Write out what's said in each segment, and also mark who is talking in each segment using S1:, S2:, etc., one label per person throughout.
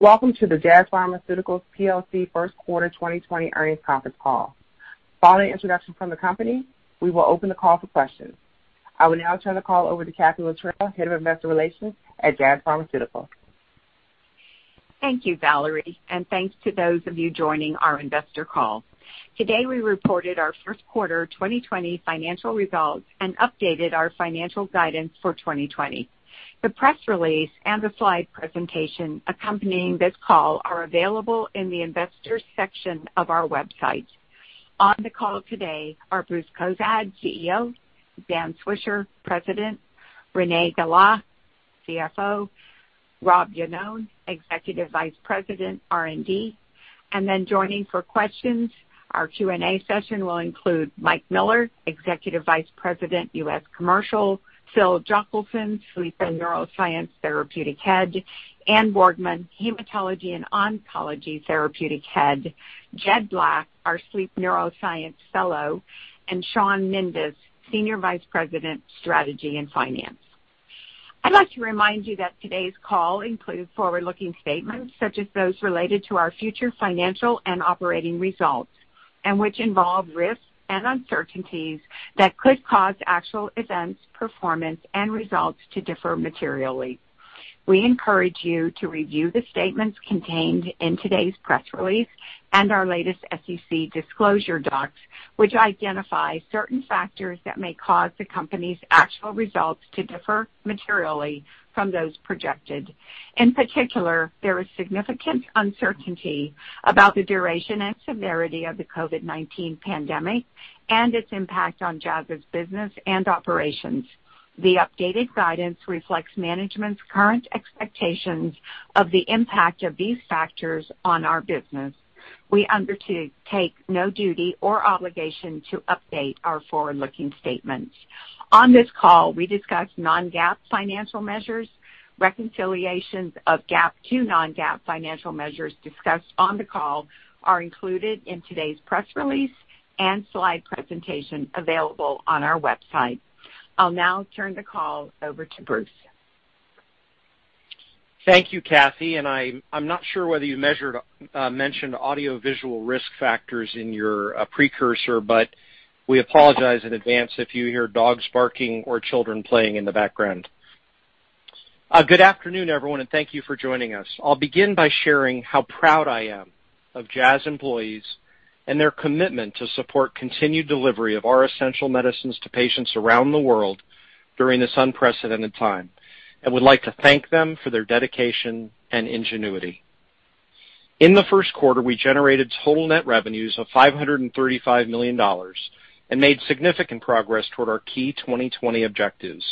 S1: Welcome to the Jazz Pharmaceuticals plc first quarter 2020 earnings conference call. Following introduction from the company, we will open the call for questions. I will now turn the call over to Kathee Littrell, Head of Investor Relations at Jazz Pharmaceuticals.
S2: Thank you, Valerie, and thanks to those of you joining our investor call. Today we reported our first quarter 2020 financial results and updated our financial guidance for 2020. The press release and the slide presentation accompanying this call are available in the investor section of our website. On the call today are Bruce Cozadd, CEO, Dan Swisher, President, Renee Gala, CFO, Rob Iannone, Executive Vice President, R&D. And then joining for questions, our Q&A session will include Mike Miller, Executive Vice President, U.S. Commercial, Phil Jochelson, Sleep and Neuroscience Therapeutic Head, Anne Borgman, Hematology and Oncology Therapeutic Head, Jed Black, our Sleep Neuroscience Fellow, and Shawn Mindus, Senior Vice President, Strategy and Finance. I'd like to remind you that today's call includes forward-looking statements such as those related to our future financial and operating results, and which involve risks and uncertainties that could cause actual events, performance, and results to differ materially. We encourage you to review the statements contained in today's press release and our latest SEC disclosure docs, which identify certain factors that may cause the company's actual results to differ materially from those projected. In particular, there is significant uncertainty about the duration and severity of the COVID-19 pandemic and its impact on Jazz's business and operations. The updated guidance reflects management's current expectations of the impact of these factors on our business. We undertake no duty or obligation to update our forward-looking statements. On this call, we discuss non-GAAP financial measures. Reconciliations of GAAP to non-GAAP financial measures discussed on the call are included in today's press release and slide presentation available on our website. I'll now turn the call over to Bruce.
S3: Thank you, Kathee, and I'm not sure whether you mentioned audio-visual risk factors in your precursor, but we apologize in advance if you hear dogs barking or children playing in the background. Good afternoon, everyone, and thank you for joining us. I'll begin by sharing how proud I am of Jazz employees and their commitment to support continued delivery of our essential medicines to patients around the world during this unprecedented time, and would like to thank them for their dedication and ingenuity. In the first quarter, we generated total net revenues of $535 million and made significant progress toward our key 2020 objectives.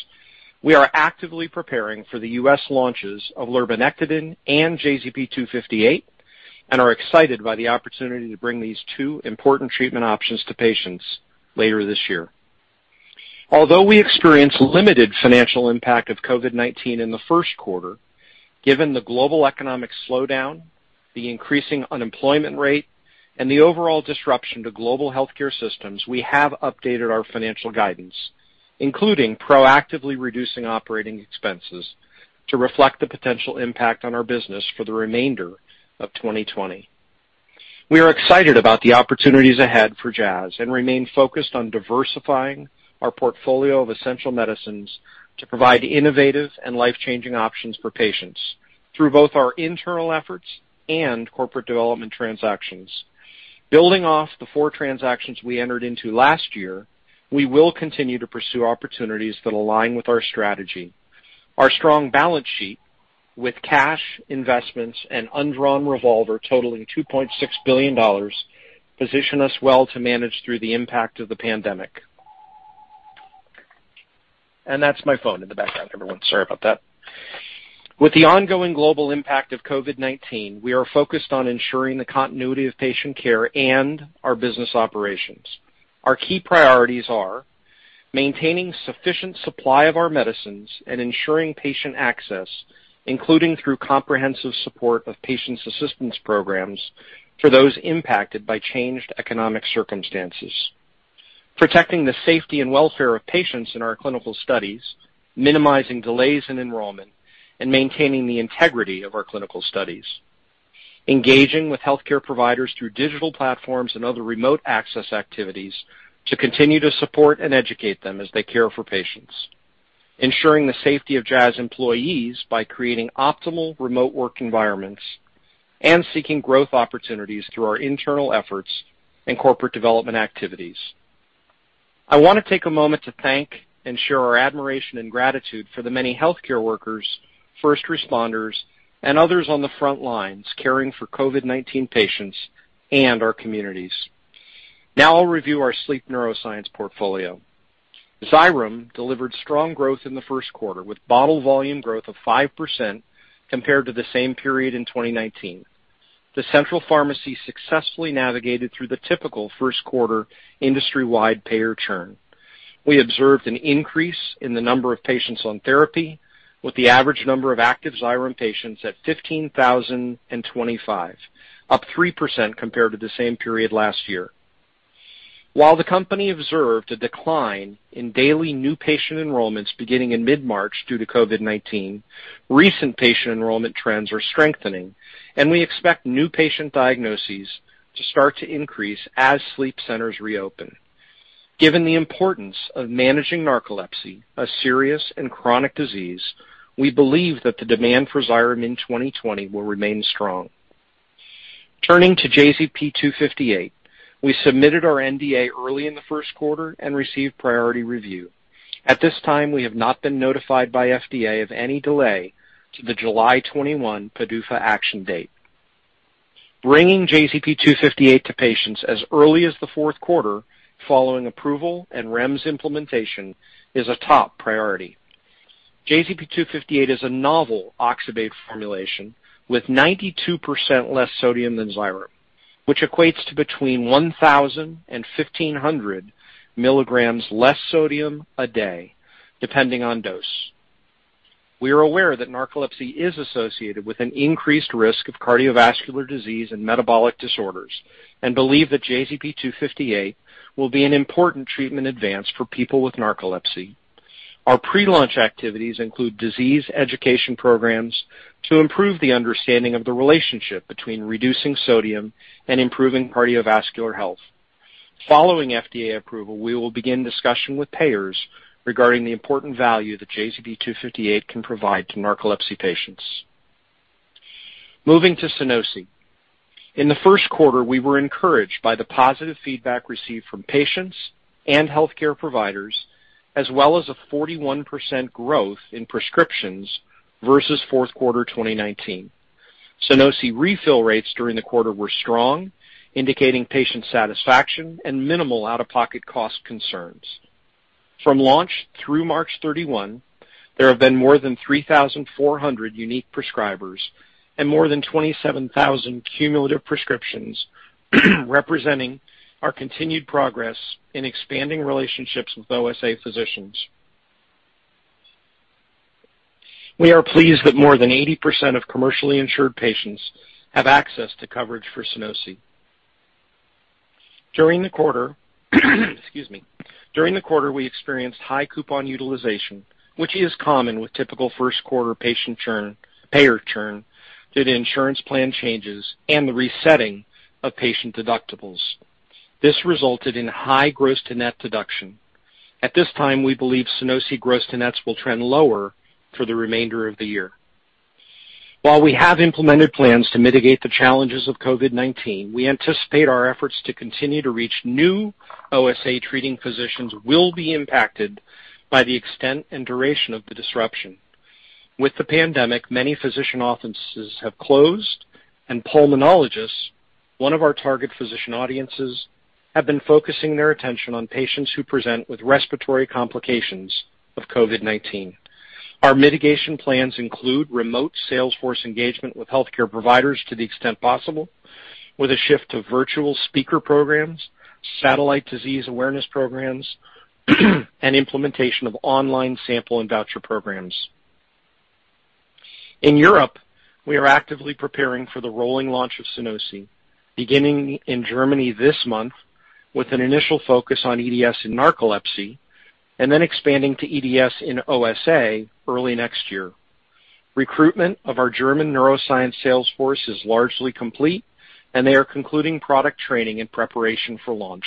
S3: We are actively preparing for the U.S. launches of lurbinectedin and JZP-258, and are excited by the opportunity to bring these two important treatment options to patients later this year. Although we experienced limited financial impact of COVID-19 in the first quarter, given the global economic slowdown, the increasing unemployment rate, and the overall disruption to global healthcare systems, we have updated our financial guidance, including proactively reducing operating expenses to reflect the potential impact on our business for the remainder of 2020. We are excited about the opportunities ahead for Jazz and remain focused on diversifying our portfolio of essential medicines to provide innovative and life-changing options for patients through both our internal efforts and corporate development transactions. Building off the four transactions we entered into last year, we will continue to pursue opportunities that align with our strategy. Our strong balance sheet, with cash investments and undrawn revolver totaling $2.6 billion, position us well to manage through the impact of the pandemic, and that's my phone in the background, everyone. Sorry about that. With the ongoing global impact of COVID-19, we are focused on ensuring the continuity of patient care and our business operations. Our key priorities are maintaining sufficient supply of our medicines and ensuring patient access, including through comprehensive support of patient assistance programs for those impacted by changed economic circumstances. Protecting the safety and welfare of patients in our clinical studies, minimizing delays in enrollment, and maintaining the integrity of our clinical studies. Engaging with healthcare providers through digital platforms and other remote access activities to continue to support and educate them as they care for patients. Ensuring the safety of Jazz employees by creating optimal remote work environments and seeking growth opportunities through our internal efforts and corporate development activities. I want to take a moment to thank and share our admiration and gratitude for the many healthcare workers, first responders, and others on the front lines caring for COVID-19 patients and our communities. Now I'll review our Sleep Neuroscience portfolio. Xyrem delivered strong growth in the first quarter, with bottle volume growth of 5% compared to the same period in 2019. The central pharmacy successfully navigated through the typical first quarter industry-wide payer churn. We observed an increase in the number of patients on therapy, with the average number of active Xyrem patients at 15,025, up 3% compared to the same period last year. While the company observed a decline in daily new patient enrollments beginning in mid-March due to COVID-19, recent patient enrollment trends are strengthening, and we expect new patient diagnoses to start to increase as sleep centers reopen. Given the importance of managing narcolepsy, a serious and chronic disease, we believe that the demand for Xyrem in 2020 will remain strong. Turning to JZP-258, we submitted our NDA early in the first quarter and received priority review. At this time, we have not been notified by FDA of any delay to the July 21 PDUFA action date. Bringing JZP-258 to patients as early as the fourth quarter following approval and REMS implementation is a top priority. JZP-258 is a novel oxybate formulation with 92% less sodium than Xyrem, which equates to between 1,000 and 1,500 milligrams less sodium a day, depending on dose. We are aware that narcolepsy is associated with an increased risk of cardiovascular disease and metabolic disorders and believe that JZP-258 will be an important treatment advance for people with narcolepsy. Our pre-launch activities include disease education programs to improve the understanding of the relationship between reducing sodium and improving cardiovascular health. Following FDA approval, we will begin discussion with payers regarding the important value that JZP-258 can provide to narcolepsy patients. Moving to Sunosi. In the first quarter, we were encouraged by the positive feedback received from patients and healthcare providers, as well as a 41% growth in prescriptions versus fourth quarter 2019. Sunosi refill rates during the quarter were strong, indicating patient satisfaction and minimal out-of-pocket cost concerns. From launch through March 31, there have been more than 3,400 unique prescribers and more than 27,000 cumulative prescriptions, representing our continued progress in expanding relationships with OSA physicians. We are pleased that more than 80% of commercially insured patients have access to coverage for Sunosi. During the quarter, we experienced high coupon utilization, which is common with typical first quarter payer churn due to insurance plan changes and the resetting of patient deductibles. This resulted in high gross-to-net deduction. At this time, we believe Sunosi gross-to-net will trend lower for the remainder of the year. While we have implemented plans to mitigate the challenges of COVID-19, we anticipate our efforts to continue to reach new OSA treating physicians will be impacted by the extent and duration of the disruption. With the pandemic, many physician offices have closed, and pulmonologists, one of our target physician audiences, have been focusing their attention on patients who present with respiratory complications of COVID-19. Our mitigation plans include remote salesforce engagement with healthcare providers to the extent possible, with a shift to virtual speaker programs, satellite disease awareness programs, and implementation of online sample and voucher programs. In Europe, we are actively preparing for the rolling launch of Sunosi, beginning in Germany this month with an initial focus on EDS in narcolepsy and then expanding to EDS in OSA early next year. Recruitment of our German neuroscience salesforce is largely complete, and they are concluding product training in preparation for launch.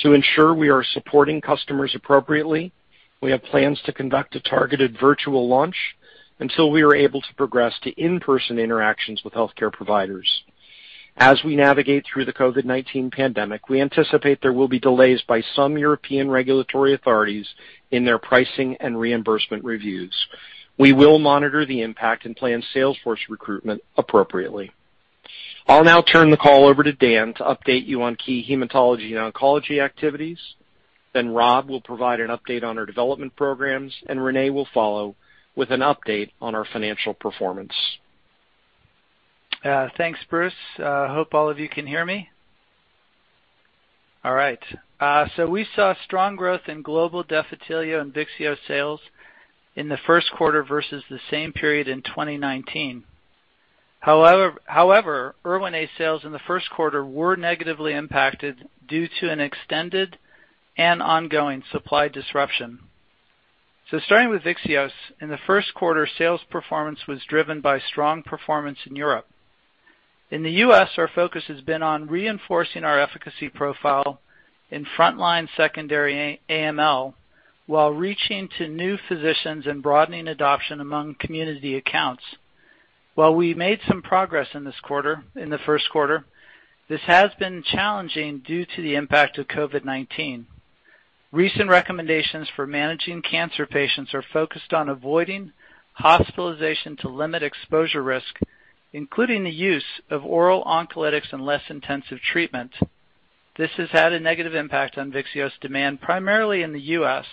S3: To ensure we are supporting customers appropriately, we have plans to conduct a targeted virtual launch until we are able to progress to in-person interactions with healthcare providers. As we navigate through the COVID-19 pandemic, we anticipate there will be delays by some European regulatory authorities in their pricing and reimbursement reviews. We will monitor the impact and plan salesforce recruitment appropriately. I'll now turn the call over to Dan to update you on key Hematology and Oncology activities. Then Rob will provide an update on our development programs, and Renee will follow with an update on our financial performance.
S4: Thanks, Bruce. Hope all of you can hear me. All right. So we saw strong growth in global Defitelio and Vyxeos sales in the first quarter versus the same period in 2019. However, Erwinaze sales in the first quarter were negatively impacted due to an extended and ongoing supply disruption. So starting with Vyxeos, in the first quarter, sales performance was driven by strong performance in Europe. In the U.S., our focus has been on reinforcing our efficacy profile in frontline secondary AML while reaching to new physicians and broadening adoption among community accounts. While we made some progress in this quarter, in the first quarter, this has been challenging due to the impact of COVID-19. Recent recommendations for managing cancer patients are focused on avoiding hospitalization to limit exposure risk, including the use of oral oncolytics and less intensive treatment. This has had a negative impact on Vyxeos's demand, primarily in the U.S.,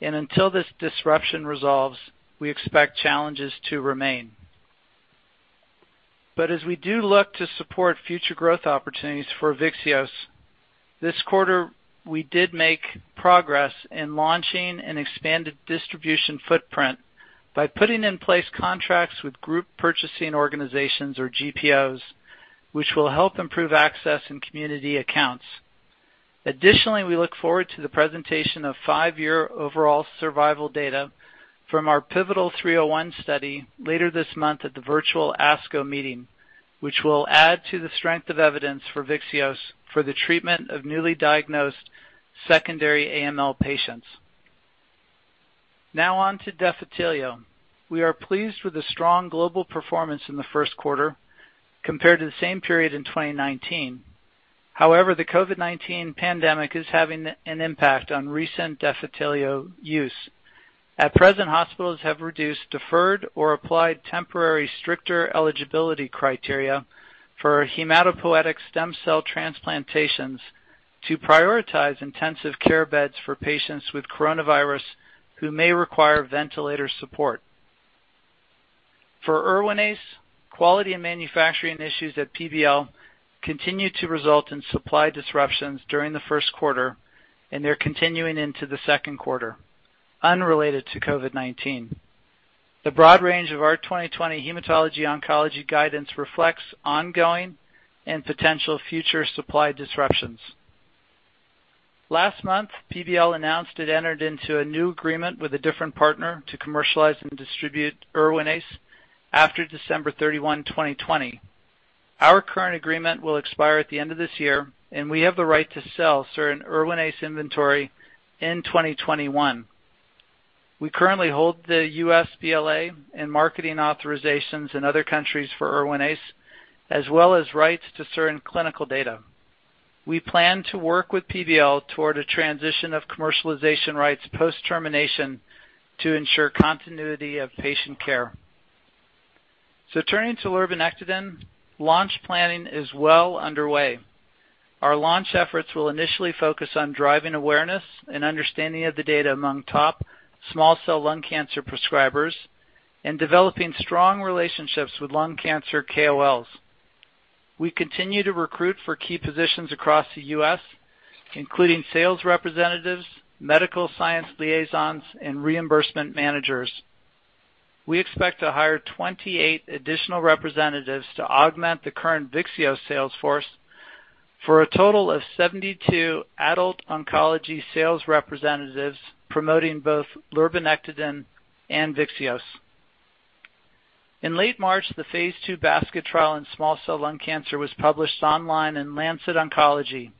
S4: and until this disruption resolves, we expect challenges to remain. But as we do look to support future growth opportunities for Vyxeos, this quarter, we did make progress in launching an expanded distribution footprint by putting in place contracts with group purchasing organizations, or GPOs, which will help improve access in community accounts. Additionally, we look forward to the presentation of five-year overall survival data from our Pivotal 301 study later this month at the virtual ASCO meeting, which will add to the strength of evidence for Vyxeos for the treatment of newly diagnosed secondary AML patients. Now on to Defitelio. We are pleased with the strong global performance in the first quarter compared to the same period in 2019. However, the COVID-19 pandemic is having an impact on recent Defitelio use. At present, hospitals have reduced, deferred, or applied temporary stricter eligibility criteria for hematopoietic stem cell transplantations to prioritize intensive care beds for patients with coronavirus who may require ventilator support. For Erwinaze, quality and manufacturing issues at PBL continue to result in supply disruptions during the first quarter, and they're continuing into the second quarter, unrelated to COVID-19. The broad range of our 2020 Hematology-Oncology guidance reflects ongoing and potential future supply disruptions. Last month, PBL announced it entered into a new agreement with a different partner to commercialize and distribute Erwinaze after December 31, 2020. Our current agreement will expire at the end of this year, and we have the right to sell certain Erwinaze inventory in 2021. We currently hold the U.S. BLA and marketing authorizations in other countries for Erwinaze, as well as rights to certain clinical data. We plan to work with PBL toward a transition of commercialization rights post-termination to ensure continuity of patient care. So turning to lurbinectedin, launch planning is well underway. Our launch efforts will initially focus on driving awareness and understanding of the data among top small cell lung cancer prescribers and developing strong relationships with lung cancer KOLs. We continue to recruit for key positions across the U.S., including sales representatives, medical science liaisons, and reimbursement managers. We expect to hire 28 additional representatives to augment the current Vyxeos salesforce for a total of 72 adult oncology sales representatives promoting both lurbinectedin and Vyxeos. In late March, the phase II basket trial in small cell lung cancer was published online in Lancet Oncology.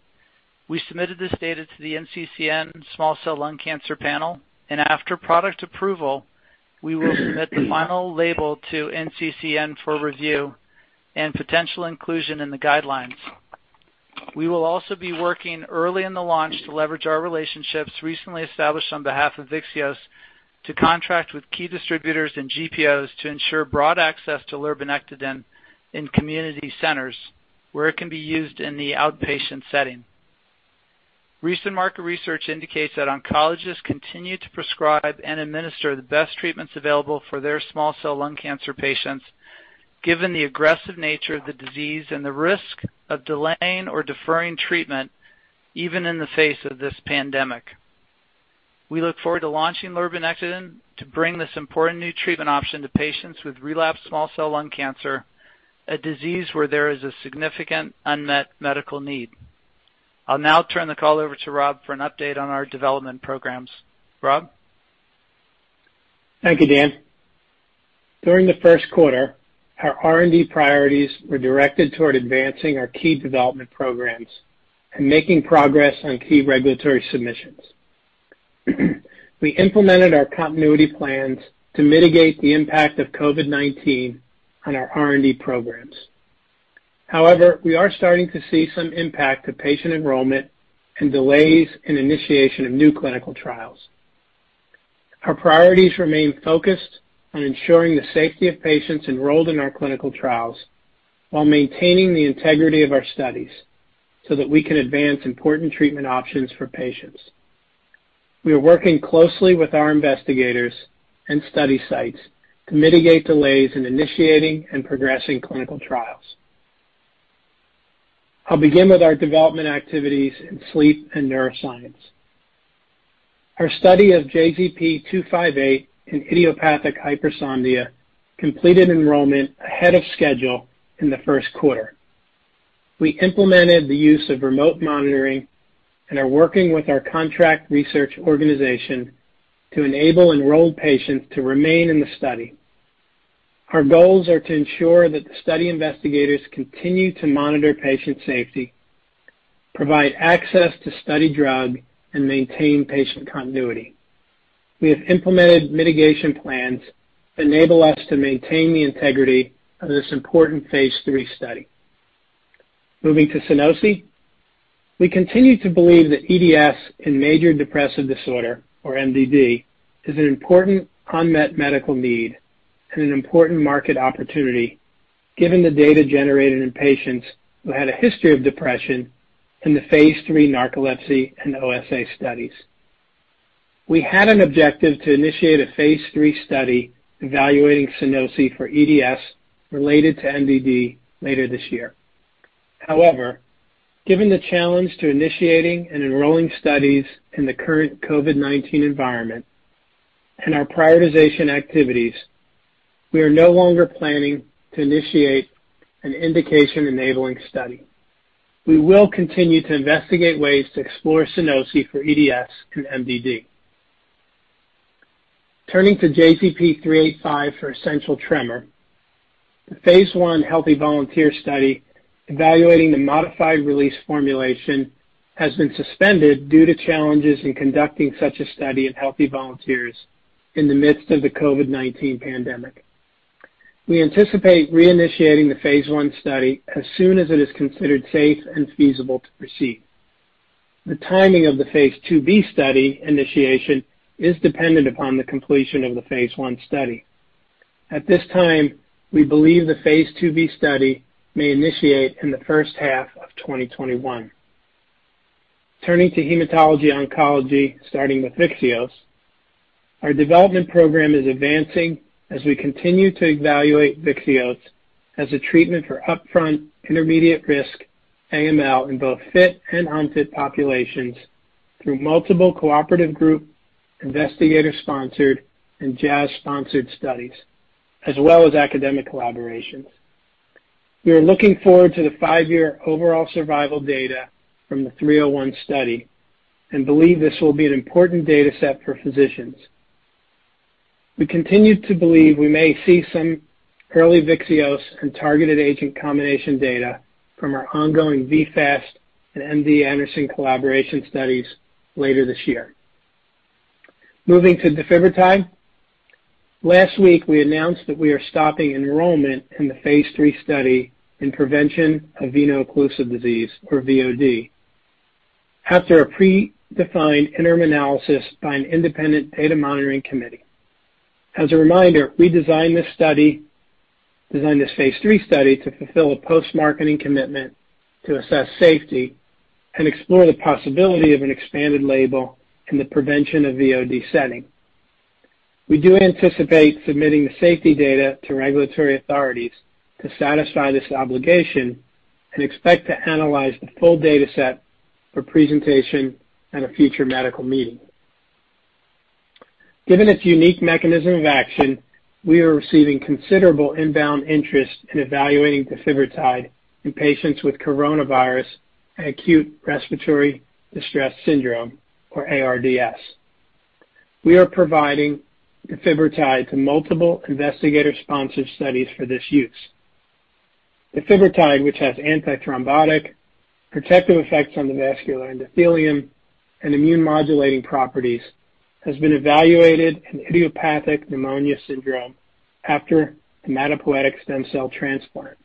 S4: We submitted this data to the NCCN small cell lung cancer panel, and after product approval, we will submit the final label to NCCN for review and potential inclusion in the guidelines. We will also be working early in the launch to leverage our relationships recently established on behalf of Vyxeos to contract with key distributors and GPOs to ensure broad access to lurbinectedin in community centers where it can be used in the outpatient setting. Recent market research indicates that oncologists continue to prescribe and administer the best treatments available for their small cell lung cancer patients, given the aggressive nature of the disease and the risk of delaying or deferring treatment, even in the face of this pandemic. We look forward to launching lurbinectedin to bring this important new treatment option to patients with relapsed small cell lung cancer, a disease where there is a significant unmet medical need. I'll now turn the call over to Rob for an update on our development programs. Rob?
S5: Thank you, Dan. During the first quarter, our R&D priorities were directed toward advancing our key development programs and making progress on key regulatory submissions. We implemented our continuity plans to mitigate the impact of COVID-19 on our R&D programs. However, we are starting to see some impact to patient enrollment and delays in initiation of new clinical trials. Our priorities remain focused on ensuring the safety of patients enrolled in our clinical trials while maintaining the integrity of our studies so that we can advance important treatment options for patients. We are working closely with our investigators and study sites to mitigate delays in initiating and progressing clinical trials. I'll begin with our development activities in Sleep and Neuroscience. Our study of JZP-258 and idiopathic hypersomnia completed enrollment ahead of schedule in the first quarter. We implemented the use of remote monitoring and are working with our contract research organization to enable enrolled patients to remain in the study. Our goals are to ensure that the study investigators continue to monitor patient safety, provide access to study drug, and maintain patient continuity. We have implemented mitigation plans that enable us to maintain the integrity of this important phase III study. Moving to Sunosi, we continue to believe that EDS in major depressive disorder, or MDD, is an important unmet medical need and an important market opportunity, given the data generated in patients who had a history of depression in the phase III narcolepsy and OSA studies. We had an objective to initiate a phase III study evaluating Sunosi for EDS related to MDD later this year. However, given the challenge to initiating and enrolling studies in the current COVID-19 environment and our prioritization activities, we are no longer planning to initiate an indication-enabling study. We will continue to investigate ways to explore Sunosi for EDS and MDD. Turning to JZP-385 for essential tremor, the phase I healthy volunteer study evaluating the modified release formulation has been suspended due to challenges in conducting such a study in healthy volunteers in the midst of the COVID-19 pandemic. We anticipate reinitiating the phase I study as soon as it is considered safe and feasible to proceed. The timing of the phase II-B study initiation is dependent upon the completion of the phase I study. At this time, we believe the phase II-B study may initiate in the first half of 2021. Turning to Hematology-Oncology, starting with Vyxeos, our development program is advancing as we continue to evaluate Vyxeos as a treatment for upfront intermediate risk AML in both fit and unfit populations through multiple cooperative group, investigator-sponsored, and Jazz-sponsored studies, as well as academic collaborations. We are looking forward to the five-year overall survival data from the 301 study and believe this will be an important data set for physicians. We continue to believe we may see some early Vyxeos and targeted agent combination data from our ongoing V-FAST and MD Anderson collaboration studies later this year. Moving to Defitelio. Last week, we announced that we are stopping enrollment in the phase III study in prevention of veno-occlusive disease, or VOD, after a predefined interim analysis by an independent data monitoring committee. As a reminder, we designed this study, designed this phase III study to fulfill a post-marketing commitment to assess safety and explore the possibility of an expanded label in the prevention of VOD setting. We do anticipate submitting the safety data to regulatory authorities to satisfy this obligation and expect to analyze the full data set for presentation at a future medical meeting. Given its unique mechanism of action, we are receiving considerable inbound interest in evaluating Defitelio in patients with coronavirus and acute respiratory distress syndrome, or ARDS. We are providing Defitelio to multiple investigator-sponsored studies for this use. Defitelio, which has antithrombotic, protective effects on the vascular endothelium and immune modulating properties, has been evaluated in idiopathic pneumonia syndrome after hematopoietic stem cell transplant,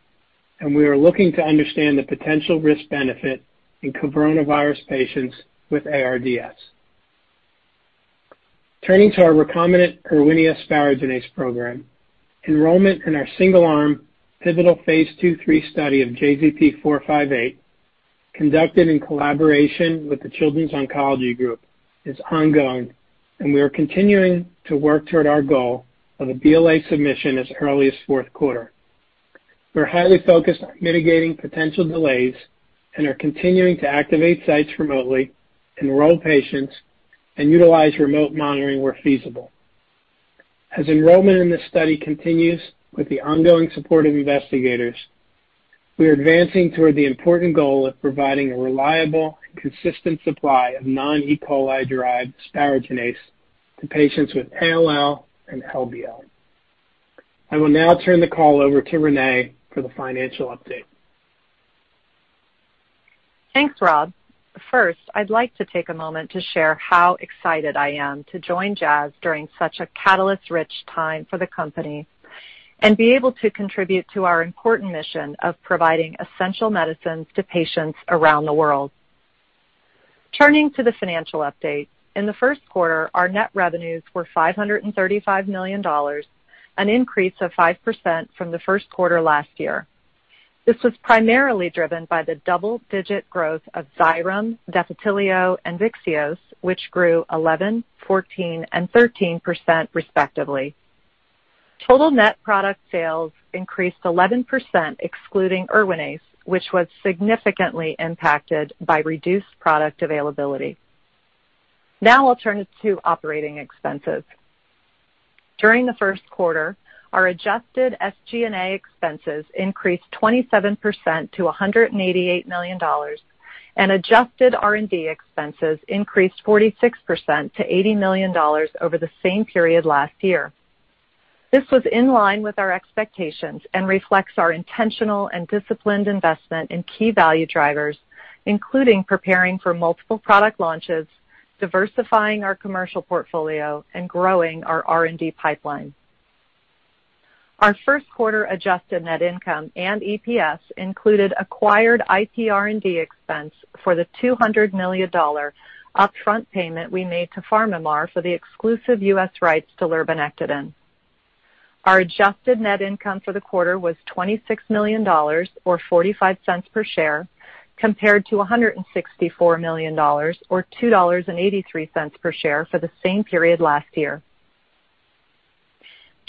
S5: and we are looking to understand the potential risk-benefit in coronavirus patients with ARDS. Turning to our recombinant Erwinia asparaginase program, enrollment in our single-arm pivotal phase II, III study of JZP-458, conducted in collaboration with the Children's Oncology Group, is ongoing, and we are continuing to work toward our goal of a BLA submission as early as fourth quarter. We're highly focused on mitigating potential delays and are continuing to activate sites remotely, enroll patients, and utilize remote monitoring where feasible. As enrollment in this study continues with the ongoing support of investigators, we are advancing toward the important goal of providing a reliable and consistent supply of non-E. coli-derived asparaginase to patients with ALL and LBL. I will now turn the call over to Renee for the financial update.
S6: Thanks, Rob. First, I'd like to take a moment to share how excited I am to join Jazz during such a catalyst-rich time for the company and be able to contribute to our important mission of providing essential medicines to patients around the world. Turning to the financial update, in the first quarter, our net revenues were $535 million, an increase of 5% from the first quarter last year. This was primarily driven by the double-digit growth of Xyrem, Defitelio, and Vyxeos, which grew 11%, 14%, and 13% respectively. Total net product sales increased 11%, excluding Erwinaze, which was significantly impacted by reduced product availability. Now I'll turn it to operating expenses. During the first quarter, our adjusted SG&A expenses increased 27% to $188 million, and adjusted R&D expenses increased 46% to $80 million over the same period last year. This was in line with our expectations and reflects our intentional and disciplined investment in key value drivers, including preparing for multiple product launches, diversifying our commercial portfolio, and growing our R&D pipeline. Our first quarter adjusted net income and EPS included acquired IPR&D expense for the $200 million upfront payment we made to PharmaMar for the exclusive U.S. rights to lurbinectedin. Our adjusted net income for the quarter was $26 million, or $0.45 per share, compared to $164 million, or $2.83 per share for the same period last year.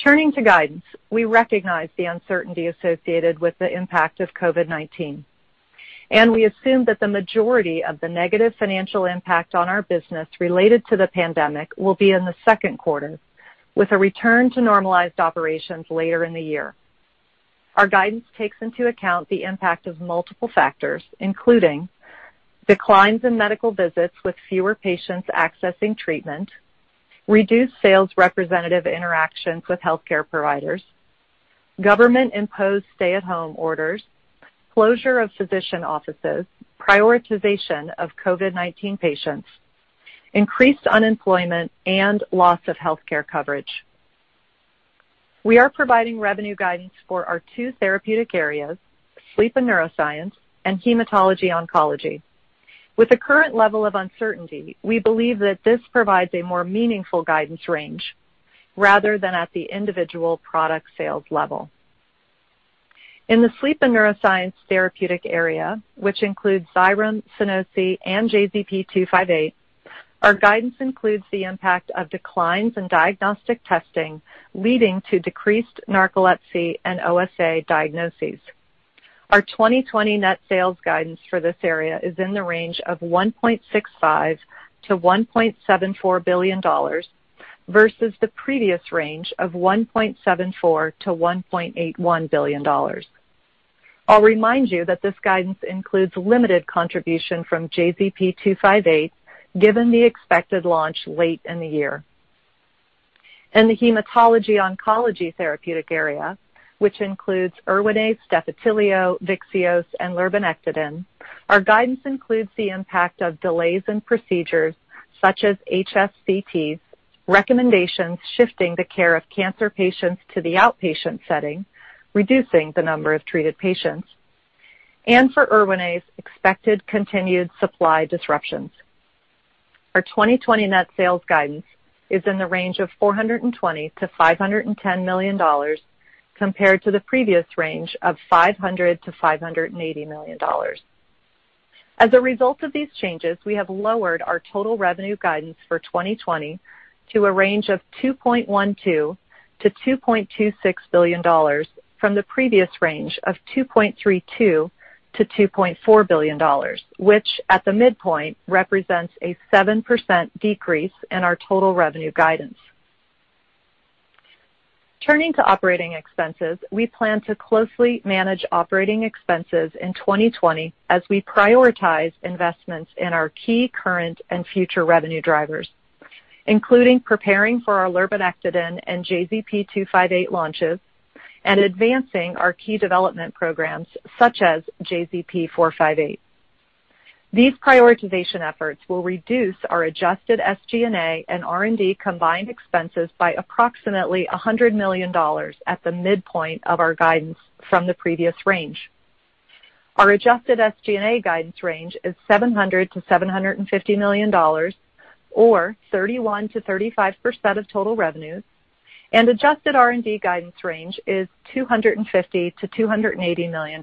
S6: Turning to guidance, we recognize the uncertainty associated with the impact of COVID-19, and we assume that the majority of the negative financial impact on our business related to the pandemic will be in the second quarter, with a return to normalized operations later in the year. Our guidance takes into account the impact of multiple factors, including declines in medical visits with fewer patients accessing treatment, reduced sales representative interactions with healthcare providers, government-imposed stay-at-home orders, closure of physician offices, prioritization of COVID-19 patients, increased unemployment, and loss of healthcare coverage. We are providing revenue guidance for our two therapeutic areas, Sleep and Neuroscience, and Hematology-Oncology. With the current level of uncertainty, we believe that this provides a more meaningful guidance range rather than at the individual product sales level. In the Sleep and Neuroscience therapeutic area, which includes Xyrem, Sunosi, and JZP-258, our guidance includes the impact of declines in diagnostic testing leading to decreased narcolepsy and OSA diagnoses. Our 2020 net sales guidance for this area is in the range of $1.65 billion-$1.74 billion versus the previous range of $1.74 billion-$1.81 billion. I'll remind you that this guidance includes limited contribution from JZP-258, given the expected launch late in the year. In the Hematology-Oncology therapeutic area, which includes Erwinaze, Defitelio, Vyxeos, and lurbinectedin, our guidance includes the impact of delays in procedures such as HSCTs, recommendations shifting the care of cancer patients to the outpatient setting, reducing the number of treated patients, and for Erwinaze's expected continued supply disruptions. Our 2020 net sales guidance is in the range of $420 million-$510 million, compared to the previous range of $500 million-$580 million. As a result of these changes, we have lowered our total revenue guidance for 2020 to a range of $2.12 billion-$2.26 billion from the previous range of $2.32 billion-$2.4 billion, which at the midpoint represents a 7% decrease in our total revenue guidance. Turning to operating expenses, we plan to closely manage operating expenses in 2020 as we prioritize investments in our key current and future revenue drivers, including preparing for our lurbinectedin and JZP-258 launches and advancing our key development programs such as JZP-458. These prioritization efforts will reduce our adjusted SG&A and R&D combined expenses by approximately $100 million at the midpoint of our guidance from the previous range. Our adjusted SG&A guidance range is $700 million-$750 million, or 31%-35% of total revenues, and adjusted R&D guidance range is $250 million-$280 million,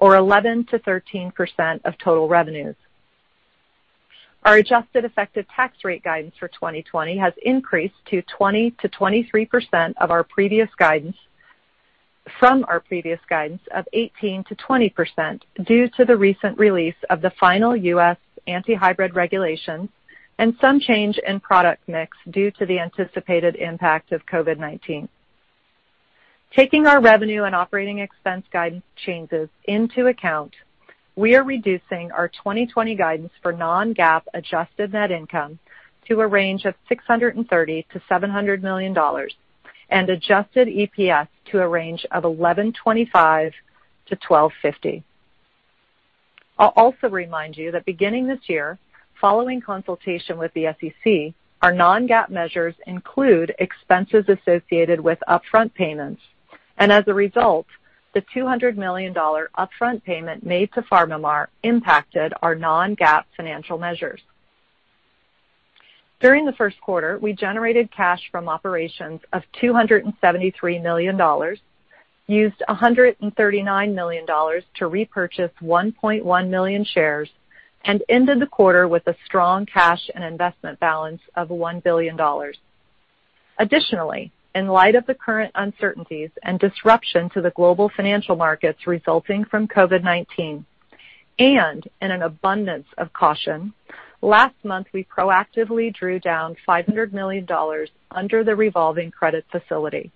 S6: or 11%-13% of total revenues. Our adjusted effective tax rate guidance for 2020 has increased to 20%-23% of our previous guidance from our previous guidance of 18%-20% due to the recent release of the final U.S. anti-hybrid regulations and some change in product mix due to the anticipated impact of COVID-19. Taking our revenue and operating expense guidance changes into account, we are reducing our 2020 guidance for non-GAAP adjusted net income to a range of $630 million-$700 million and adjusted EPS to a range of $11.25-$12.50. I'll also remind you that beginning this year, following consultation with the SEC, our non-GAAP measures include expenses associated with upfront payments, and as a result, the $200 million upfront payment made to PharmaMar impacted our non-GAAP financial measures. During the first quarter, we generated cash from operations of $273 million, used $139 million to repurchase 1.1 million shares, and ended the quarter with a strong cash and investment balance of $1 billion. Additionally, in light of the current uncertainties and disruption to the global financial markets resulting from COVID-19, and in an abundance of caution, last month we proactively drew down $500 million under the revolving credit facility.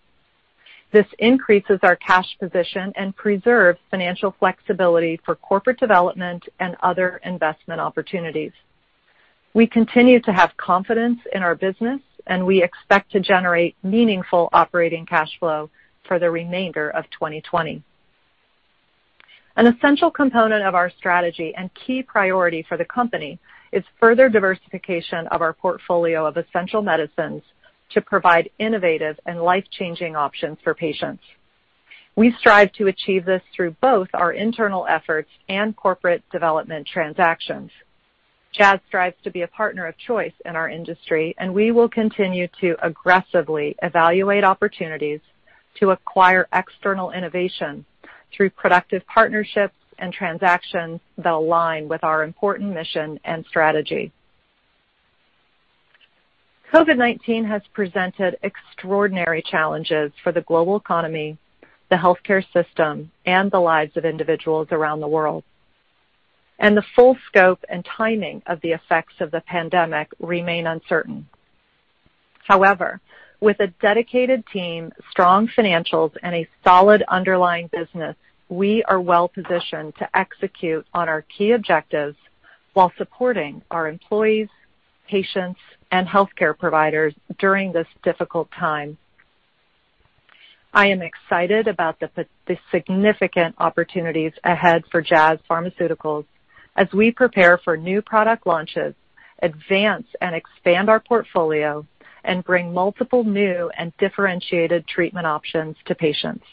S6: This increases our cash position and preserves financial flexibility for corporate development and other investment opportunities. We continue to have confidence in our business, and we expect to generate meaningful operating cash flow for the remainder of 2020. An essential component of our strategy and key priority for the company is further diversification of our portfolio of essential medicines to provide innovative and life-changing options for patients. We strive to achieve this through both our internal efforts and corporate development transactions. Jazz strives to be a partner of choice in our industry, and we will continue to aggressively evaluate opportunities to acquire external innovation through productive partnerships and transactions that align with our important mission and strategy. COVID-19 has presented extraordinary challenges for the global economy, the healthcare system, and the lives of individuals around the world, and the full scope and timing of the effects of the pandemic remain uncertain. However, with a dedicated team, strong financials, and a solid underlying business, we are well positioned to execute on our key objectives while supporting our employees, patients, and healthcare providers during this difficult time. I am excited about the significant opportunities ahead for Jazz Pharmaceuticals as we prepare for new product launches, advance and expand our portfolio, and bring multiple new and differentiated treatment options to patients.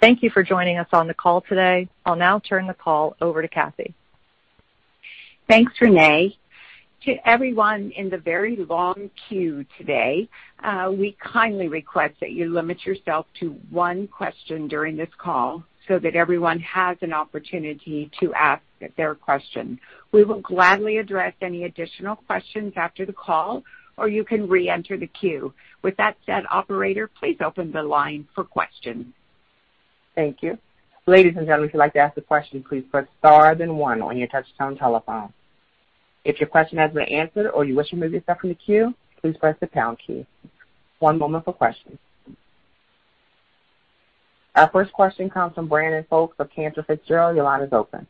S6: Thank you for joining us on the call today. I'll now turn the call over to Kathee.
S2: Thanks, Renee. To everyone in the very long queue today, we kindly request that you limit yourself to one question during this call so that everyone has an opportunity to ask their question. We will gladly address any additional questions after the call, or you can re-enter the queue. With that said, Operator, please open the line for questions.
S1: Thank you. Ladies and gentlemen, if you'd like to ask a question, please press star then one on your touch-tone telephone. If your question hasn't been answered or you wish to move yourself from the queue, please press the pound key. One moment for questions. Our first question comes from Brandon Folkes of Cantor Fitzgerald; your line is open.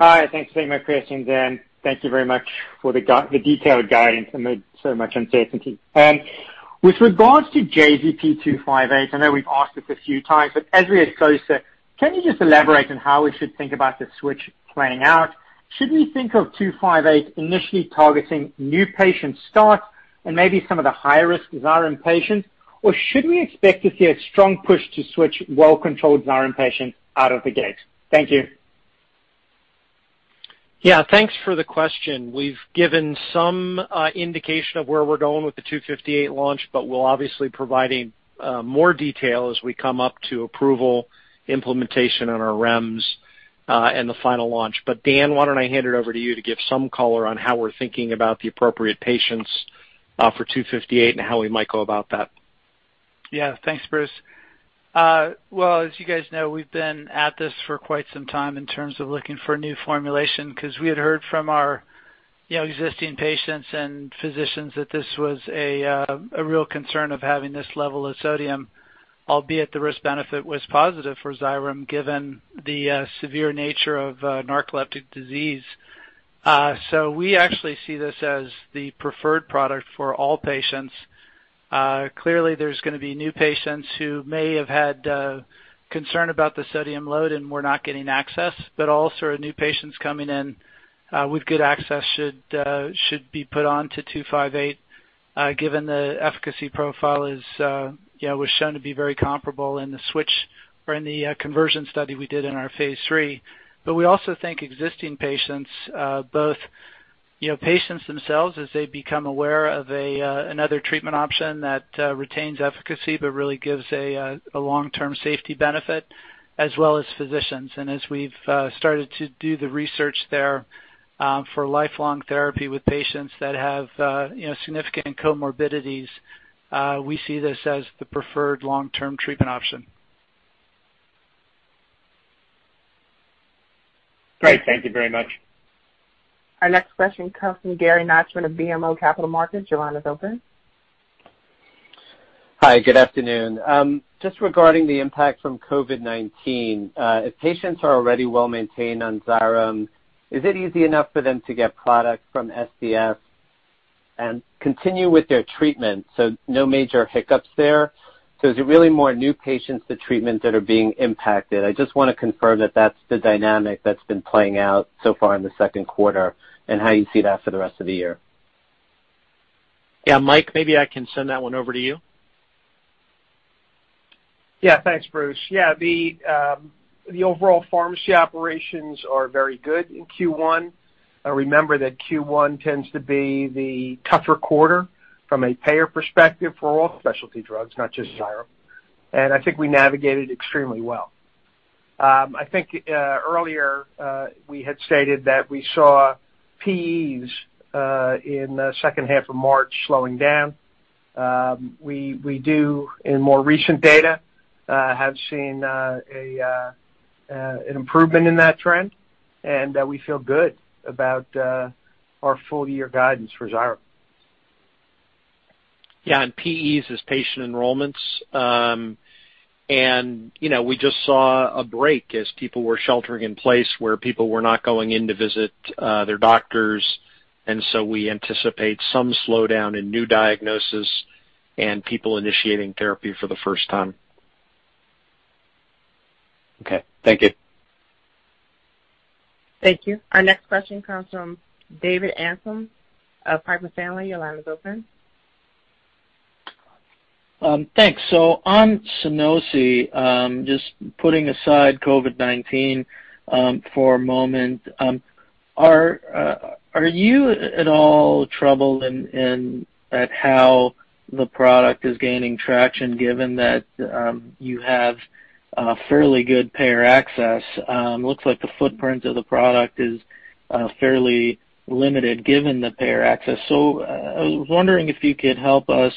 S7: Hi, thanks very much, Kristin. Thank you very much for the detailed guidance amid so much uncertainty. With regards to JZP-258, I know we've asked this a few times, but as we are closer, can you just elaborate on how we should think about the switch playing out? Should we think of 258 initially targeting new patient starts and maybe some of the high-risk Xyrem patients, or should we expect to see a strong push to switch well-controlled Xyrem patients out of the gate? Thank you.
S3: Yeah, thanks for the question. We've given some indication of where we're going with the 258 launch, but we'll obviously provide more detail as we come up to approval, implementation on our REMS, and the final launch. But Dan, why don't I hand it over to you to give some color on how we're thinking about the appropriate patients for 258 and how we might go about that?
S4: Yeah, thanks, Bruce. Well, as you guys know, we've been at this for quite some time in terms of looking for a new formulation because we had heard from our existing patients and physicians that this was a real concern of having this level of sodium, albeit the risk-benefit was positive for Xyrem given the severe nature of narcolepsy. So we actually see this as the preferred product for all patients. Clearly, there's going to be new patients who may have had concern about the sodium load and were not getting access, but also new patients coming in with good access should be put on to 258 given the efficacy profile was shown to be very comparable in the switch or in the conversion study we did in our phase III. But we also think existing patients, both patients themselves as they become aware of another treatment option that retains efficacy but really gives a long-term safety benefit, as well as physicians. And as we've started to do the research there for lifelong therapy with patients that have significant comorbidities, we see this as the preferred long-term treatment option.
S7: Great. Thank you very much.
S1: Our next question comes from Gary Nachman of BMO Capital Markets. Your line is open.
S8: Hi, good afternoon. Just regarding the impact from COVID-19, if patients are already well-maintained on Xyrem, is it easy enough for them to get product from SDS and continue with their treatment, so no major hiccups there? So is it really more new patients the treatment that are being impacted? I just want to confirm that that's the dynamic that's been playing out so far in the second quarter and how you see that for the rest of the year.
S3: Yeah, Mike, maybe I can send that one over to you.
S9: Yeah, thanks, Bruce. Yeah, the overall pharmacy operations are very good in Q1. Remember that Q1 tends to be the tougher quarter from a payer perspective for all specialty drugs, not just Xyrem, and I think we navigated extremely well. I think earlier we had stated that we saw PEs in the second half of March slowing down. We do, in more recent data, have seen an improvement in that trend, and we feel good about our full-year guidance for Xyrem.
S3: Yeah, and PEs is patient enrollments. And we just saw a break as people were sheltering in place where people were not going in to visit their doctors, and so we anticipate some slowdown in new diagnosis and people initiating therapy for the first time.
S8: Okay, thank you.
S1: Thank you. Our next question comes from David Amsellem of Piper Sandler. Your line is open.
S10: Thanks. So on Sunosi, just putting aside COVID-19 for a moment, are you at all troubled at how the product is gaining traction given that you have fairly good payer access? It looks like the footprint of the product is fairly limited given the payer access. So I was wondering if you could help us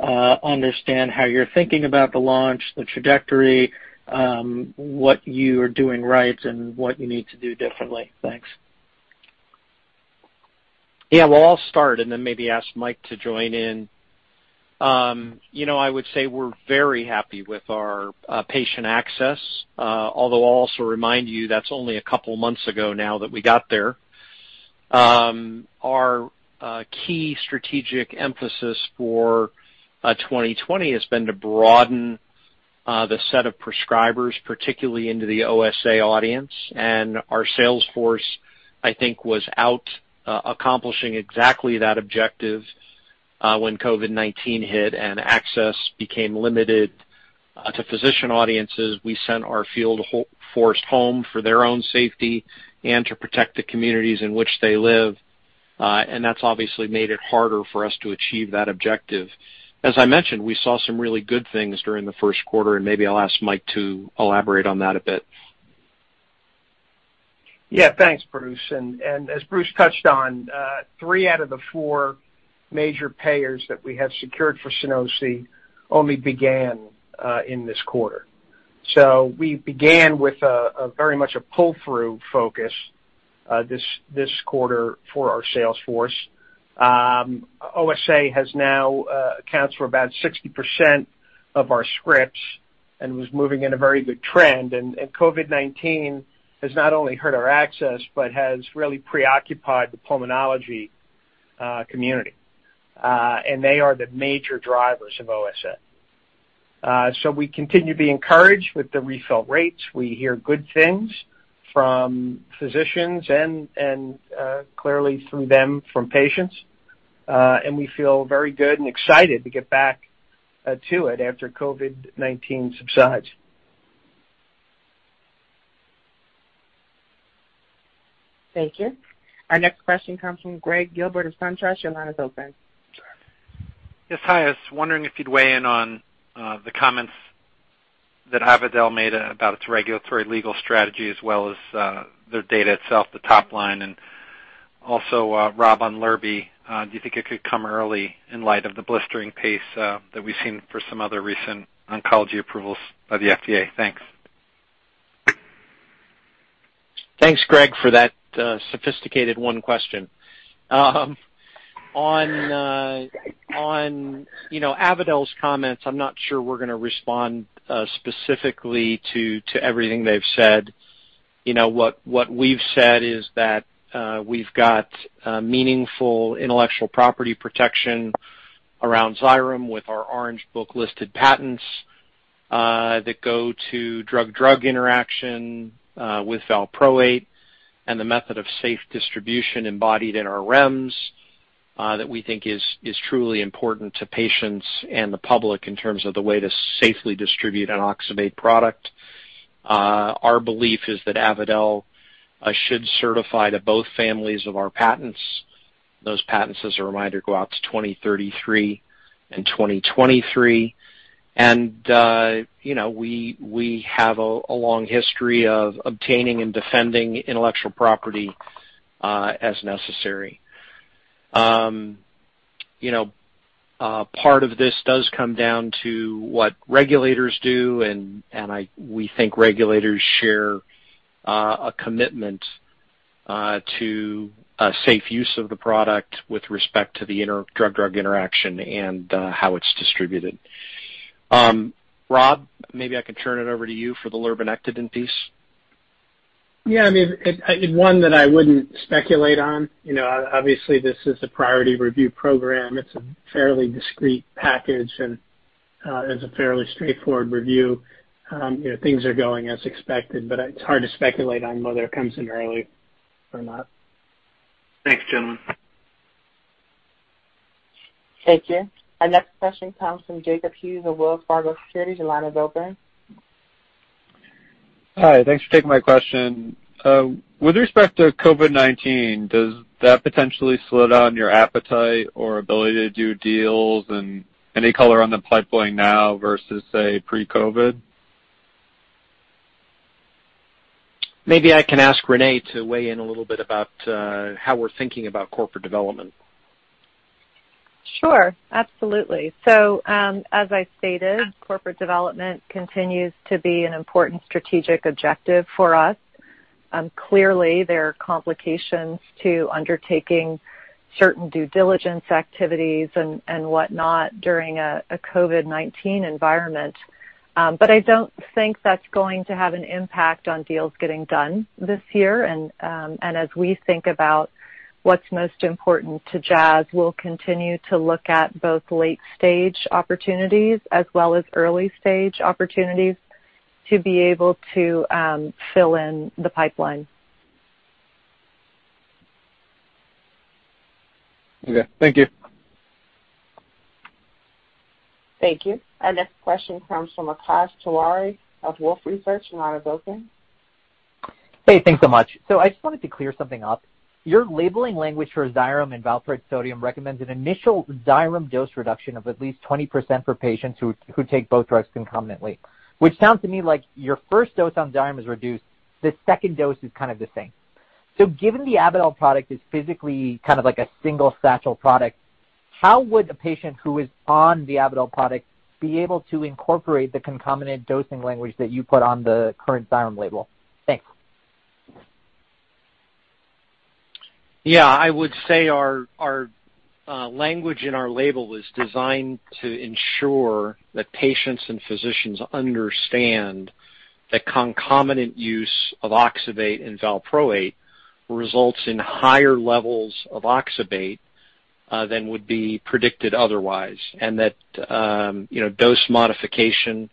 S10: understand how you're thinking about the launch, the trajectory, what you are doing right, and what you need to do differently? Thanks.
S3: Yeah, well, I'll start and then maybe ask Mike to join in. I would say we're very happy with our patient access, although I'll also remind you that's only a couple of months ago now that we got there. Our key strategic emphasis for 2020 has been to broaden the set of prescribers, particularly into the OSA audience. And our salesforce, I think, was out accomplishing exactly that objective when COVID-19 hit and access became limited to physician audiences. We sent our field force home for their own safety and to protect the communities in which they live. And that's obviously made it harder for us to achieve that objective. As I mentioned, we saw some really good things during the first quarter, and maybe I'll ask Mike to elaborate on that a bit.
S9: Yeah, thanks, Bruce. And as Bruce touched on, three out of the four major payers that we have secured for Sunosi only began in this quarter. So we began with very much a pull-through focus this quarter for our salesforce. OSA accounts for about 60% of our scripts and was moving in a very good trend. And COVID-19 has not only hurt our access but has really preoccupied the pulmonology community. And they are the major drivers of OSA. So we continue to be encouraged with the refill rates. We hear good things from physicians and clearly through them from patients. And we feel very good and excited to get back to it after COVID-19 subsides.
S1: Thank you. Our next question comes from Greg Gilbert of SunTrust. Your line is open.
S11: Yes, hi. I was wondering if you'd weigh in on the comments that Avadel made about its regulatory legal strategy as well as the data itself, the top line. And also, Rob on lurbinectedin, do you think it could come early in light of the blistering pace that we've seen for some other recent Oncology approvals by the FDA? Thanks.
S3: Thanks, Greg, for that sophisticated one question. On Avadel's comments, I'm not sure we're going to respond specifically to everything they've said. What we've said is that we've got meaningful intellectual property protection around Xyrem with our Orange Book-listed patents that go to drug-drug interaction with valproate and the method of safe distribution embodied in our REMS that we think is truly important to patients and the public in terms of the way to safely distribute and oxybate product. Our belief is that Avadel should certify to both families of our patents. Those patents, as a reminder, go out to 2033 and 2023, and we have a long history of obtaining and defending intellectual property as necessary. Part of this does come down to what regulators do, and we think regulators share a commitment to safe use of the product with respect to the drug-drug interaction and how it's distributed. Rob, maybe I can turn it over to you for the lurbinectedin piece.
S5: Yeah, I mean, one that I wouldn't speculate on. Obviously, this is a priority review program. It's a fairly discrete package, and it's a fairly straightforward review. Things are going as expected, but it's hard to speculate on whether it comes in early or not.
S11: Thanks, gentlemen.
S1: Thank you. Our next question comes from Jacob Hughes of Wells Fargo Security. Your line is open.
S12: Hi, thanks for taking my question. With respect to COVID-19, does that potentially slow down your appetite or ability to do deals in any color on the pipeline now versus, say, pre-COVID?
S3: Maybe I can ask Renee to weigh in a little bit about how we're thinking about corporate development.
S6: Sure, absolutely. So as I stated, corporate development continues to be an important strategic objective for us. Clearly, there are complications to undertaking certain due diligence activities and whatnot during a COVID-19 environment. But I don't think that's going to have an impact on deals getting done this year. And as we think about what's most important to Jazz, we'll continue to look at both late-stage opportunities as well as early-stage opportunities to be able to fill in the pipeline.
S12: Okay, thank you.
S1: Thank you. Our next question comes from Akash Tewari of Wolfe Research. Your line is open.
S13: Hey, thanks so much. So I just wanted to clear something up. Your labeling language for Xyrem and valproate sodium recommends an initial Xyrem dose reduction of at least 20% for patients who take both drugs concomitantly, which sounds to me like your first dose on Xyrem is reduced. The second dose is kind of the same. So given the Avadel product is physically kind of like a single sachet product, how would a patient who is on the Avadel product be able to incorporate the concomitant dosing language that you put on the current Xyrem label? Thanks.
S3: Yeah, I would say our language in our label was designed to ensure that patients and physicians understand that concomitant use of oxybate and valproate results in higher levels of oxybate than would be predicted otherwise, and that dose modification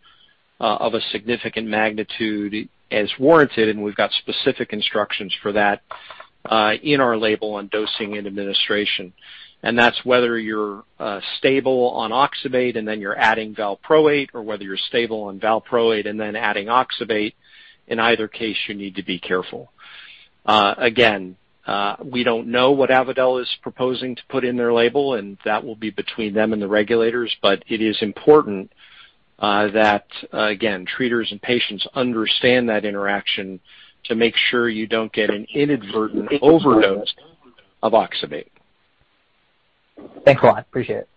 S3: of a significant magnitude is warranted. And we've got specific instructions for that in our label on dosing and administration. And that's whether you're stable on oxybate and then you're adding valproate, or whether you're stable on valproate and then adding oxybate. In either case, you need to be careful. Again, we don't know what Avadel is proposing to put in their label, and that will be between them and the regulators. But it is important that, again, treaters and patients understand that interaction to make sure you don't get an inadvertent overdose of oxybate.
S13: Thanks a lot. Appreciate it.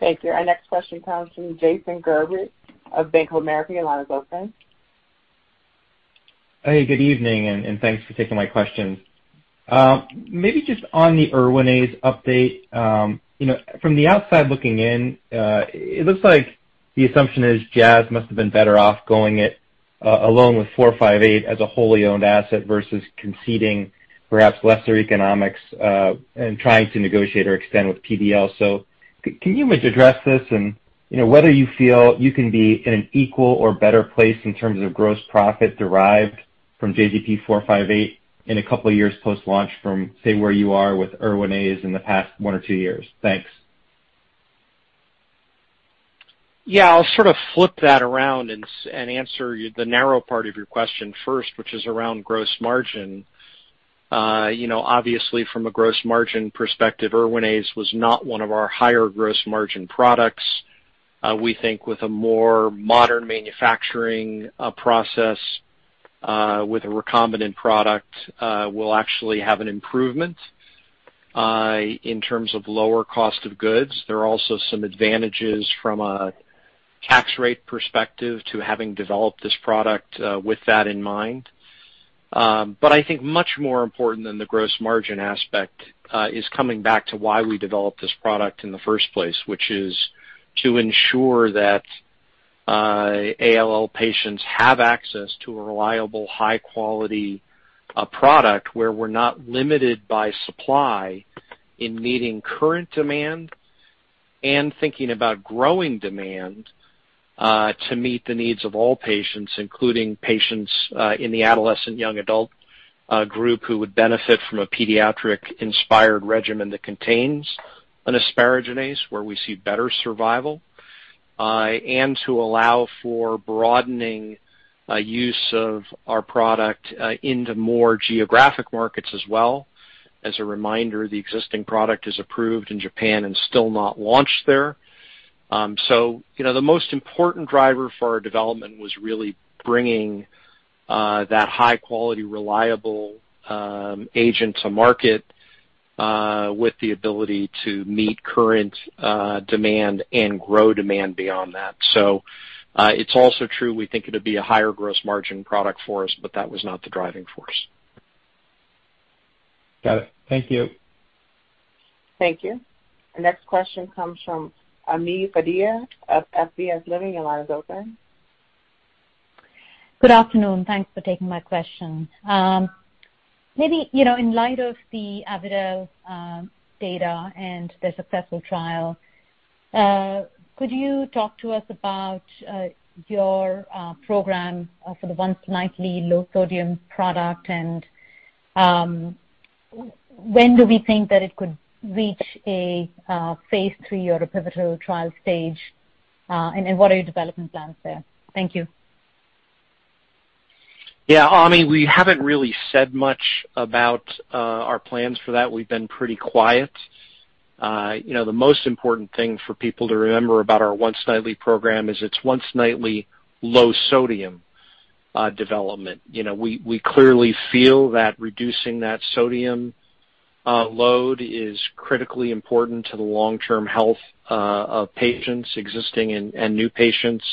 S1: Thank you. Our next question comes from Jason Gerberry of Bank of America. Your line is open.
S14: Hey, good evening, and thanks for taking my question. Maybe just on the Erwinaze update, from the outside looking in, it looks like the assumption is Jazz must have been better off going it alone with 458 as a wholly owned asset versus conceding perhaps lesser economics and trying to negotiate or extend with PBL. So can you address this and whether you feel you can be in an equal or better place in terms of gross profit derived from JZP-458 in a couple of years post-launch from, say, where you are with Erwinaze in the past one or two years? Thanks.
S3: Yeah, I'll sort of flip that around and answer the narrow part of your question first, which is around gross margin. Obviously, from a gross margin perspective, Erwinaze was not one of our higher gross margin products. We think with a more modern manufacturing process with a recombinant product, we'll actually have an improvement in terms of lower cost of goods. There are also some advantages from a tax rate perspective to having developed this product with that in mind. But I think much more important than the gross margin aspect is coming back to why we developed this product in the first place, which is to ensure that ALL patients have access to a reliable, high-quality product where we're not limited by supply in meeting current demand and thinking about growing demand to meet the needs of all patients, including patients in the adolescent young adult group who would benefit from a pediatric-inspired regimen that contains an asparaginase where we see better survival, and to allow for broadening use of our product into more geographic markets as well. As a reminder, the existing product is approved in Japan and still not launched there. So the most important driver for our development was really bringing that high-quality, reliable agent to market with the ability to meet current demand and grow demand beyond that. It's also true we think it would be a higher gross margin product for us, but that was not the driving force.
S14: Got it. Thank you.
S1: Thank you. Our next question comes from Ami Fadia of SVB Leerink. Your line is open.
S15: Good afternoon. Thanks for taking my question. Maybe in light of the Avadel data and the successful trial, could you talk to us about your program for the once-nightly low-sodium product? And when do we think that it could reach a phase III or a pivotal trial stage, and what are your development plans there? Thank you.
S3: Yeah, I mean, we haven't really said much about our plans for that. We've been pretty quiet. The most important thing for people to remember about our once-nightly program is it's once-nightly low-sodium development. We clearly feel that reducing that sodium load is critically important to the long-term health of patients existing and new patients.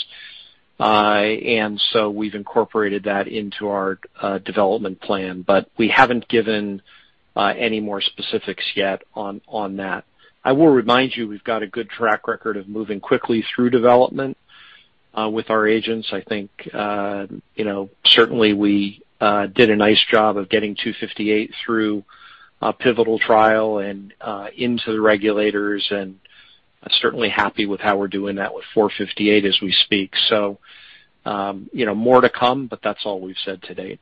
S3: And so we've incorporated that into our development plan. But we haven't given any more specifics yet on that. I will remind you, we've got a good track record of moving quickly through development with our agents. I think certainly we did a nice job of getting 258 through a pivotal trial and into the regulators, and certainly happy with how we're doing that with 458 as we speak. So more to come, but that's all we've said to date.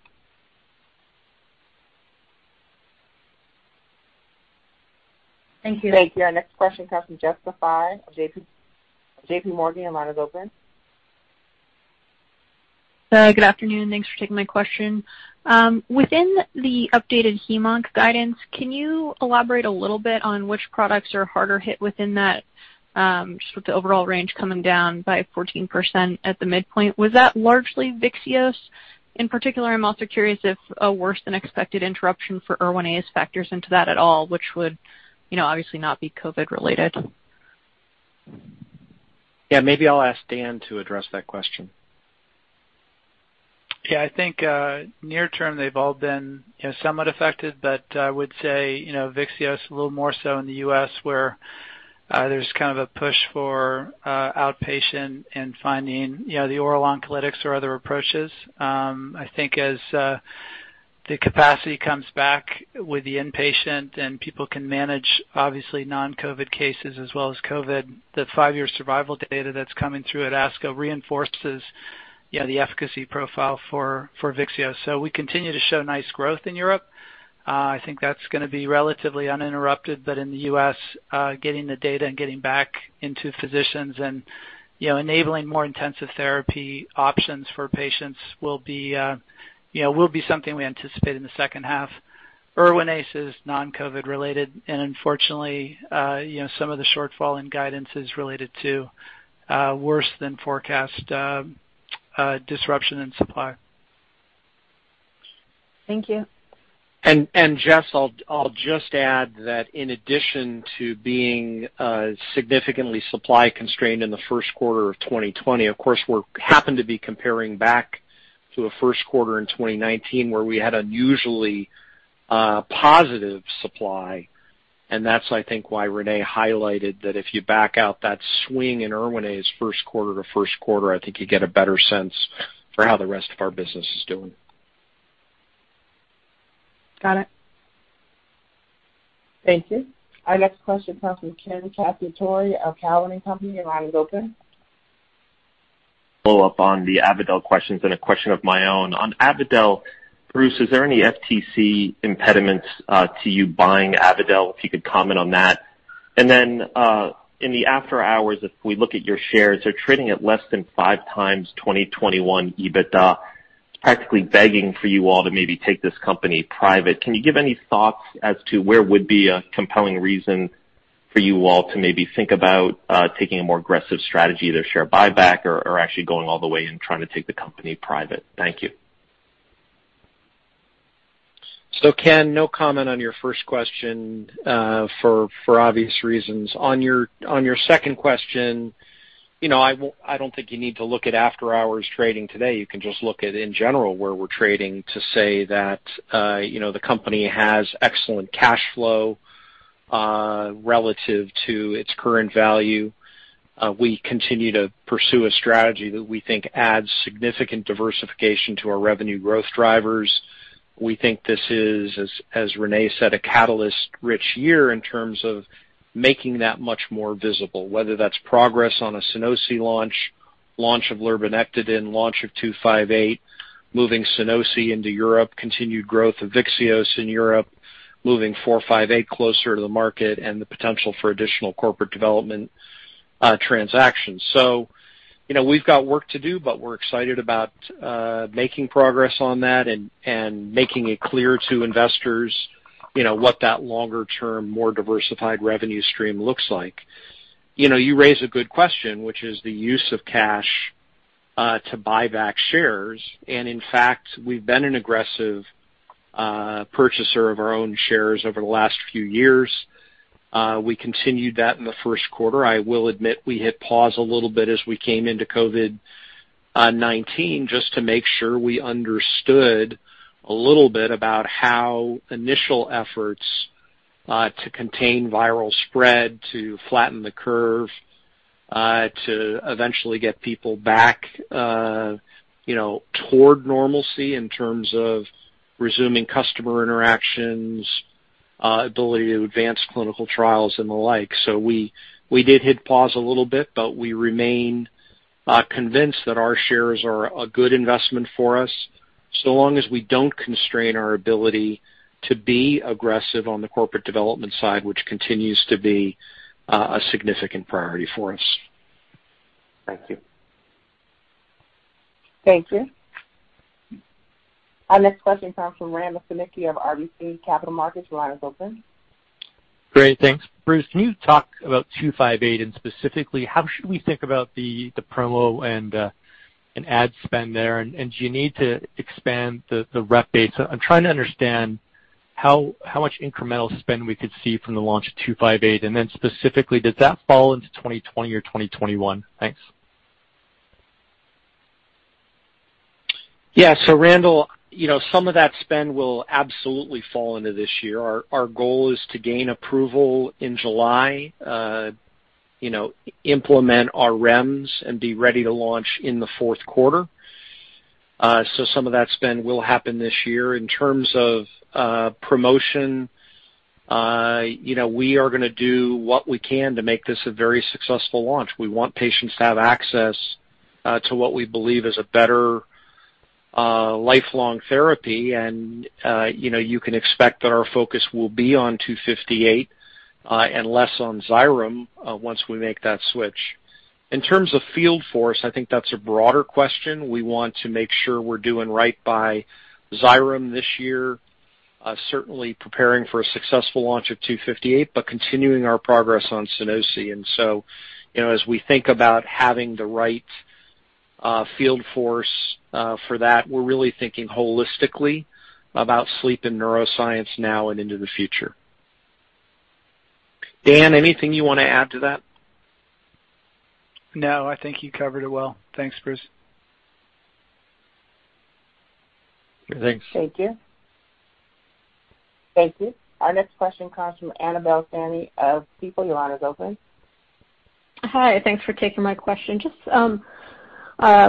S1: Thank you. Thank you. Our next question comes from Jessica Fye of JPMorgan. Your line is open.
S16: Good afternoon. Thanks for taking my question. Within the updated HemOnc guidance, can you elaborate a little bit on which products are harder hit within that, just with the overall range coming down by 14% at the midpoint? Was that largely Vyxeos? In particular, I'm also curious if a worse-than-expected interruption for Erwinaze factors into that at all, which would obviously not be COVID-related.
S3: Yeah, maybe I'll ask Dan to address that question.
S4: Yeah, I think near-term, they've all been somewhat affected, but I would say Vyxeos a little more so in the U.S. where there's kind of a push for outpatient and finding the oral oncolytics or other approaches. I think as the capacity comes back with the inpatient and people can manage, obviously, non-COVID cases as well as COVID, the five-year survival data that's coming through at ASCO reinforces the efficacy profile for Vyxeos. So we continue to show nice growth in Europe. I think that's going to be relatively uninterrupted. But in the U.S., getting the data and getting back into physicians and enabling more intensive therapy options for patients will be something we anticipate in the second half. Erwinaze is non-COVID-related. And unfortunately, some of the shortfall in guidance is related to worse-than-forecast disruption in supply.
S16: Thank you.
S3: Jess, I'll just add that in addition to being significantly supply-constrained in the first quarter of 2020, of course, we happened to be comparing back to a first quarter in 2019 where we had unusually positive supply. And that's, I think, why Renee highlighted that if you back out that swing in Erwinaze first quarter to first quarter, I think you get a better sense for how the rest of our business is doing.
S16: Got it.
S1: Thank you. Our next question comes from Ken Cacciatore of Cowen & Company. Your line is open.
S17: Follow up on the Avadel questions and a question of my own. On Avadel, Bruce, is there any FTC impediments to you buying Avadel? If you could comment on that. And then in the after-hours, if we look at your shares, they're trading at less than five times 2021 EBITDA. It's practically begging for you all to maybe take this company private. Can you give any thoughts as to where would be a compelling reason for you all to maybe think about taking a more aggressive strategy, their share buyback, or actually going all the way and trying to take the company private? Thank you.
S3: So Ken, no comment on your first question for obvious reasons. On your second question, I don't think you need to look at after-hours trading today. You can just look at, in general, where we're trading to say that the company has excellent cash flow relative to its current value. We continue to pursue a strategy that we think adds significant diversification to our revenue growth drivers. We think this is, as Renee said, a catalyst-rich year in terms of making that much more visible, whether that's progress on a Sunosi launch, launch of lurbinectedin, launch of 258, moving Sunosi into Europe, continued growth of Vyxeos in Europe, moving 458 closer to the market, and the potential for additional corporate development transactions. So we've got work to do, but we're excited about making progress on that and making it clear to investors what that longer-term, more diversified revenue stream looks like. You raise a good question, which is the use of cash to buy back shares. And in fact, we've been an aggressive purchaser of our own shares over the last few years. We continued that in the first quarter. I will admit we hit pause a little bit as we came into COVID-19 just to make sure we understood a little bit about how initial efforts to contain viral spread, to flatten the curve, to eventually get people back toward normalcy in terms of resuming customer interactions, ability to advance clinical trials, and the like. We did hit pause a little bit, but we remain convinced that our shares are a good investment for us so long as we don't constrain our ability to be aggressive on the corporate development side, which continues to be a significant priority for us.
S17: Thank you.
S1: Thank you. Our next question comes from Randall Stanicky of RBC Capital Markets. Your line is open.
S18: Great. Thanks. Bruce, can you talk about 258 and specifically, how should we think about the promo and ad spend there? And do you need to expand the rep base? I'm trying to understand how much incremental spend we could see from the launch of 258. And then specifically, does that fall into 2020 or 2021? Thanks.
S3: Yeah. So Randall, some of that spend will absolutely fall into this year. Our goal is to gain approval in July, implement our REMS, and be ready to launch in the fourth quarter, so some of that spend will happen this year. In terms of promotion, we are going to do what we can to make this a very successful launch. We want patients to have access to what we believe is a better lifelong therapy, and you can expect that our focus will be on 258 and less on Xyrem once we make that switch. In terms of field force, I think that's a broader question. We want to make sure we're doing right by Xyrem this year, certainly preparing for a successful launch of 258, but continuing our progress on Sunosi. And so as we think about having the right field force for that, we're really thinking holistically about Sleep and Neuroscience now and into the future. Dan, anything you want to add to that?
S4: No, I think you covered it well. Thanks, Bruce.
S18: Thanks.
S1: Thank you. Thank you. Our next question comes from Annabel Samimy of Stifel. Your line is open.
S19: Hi. Thanks for taking my question. Just a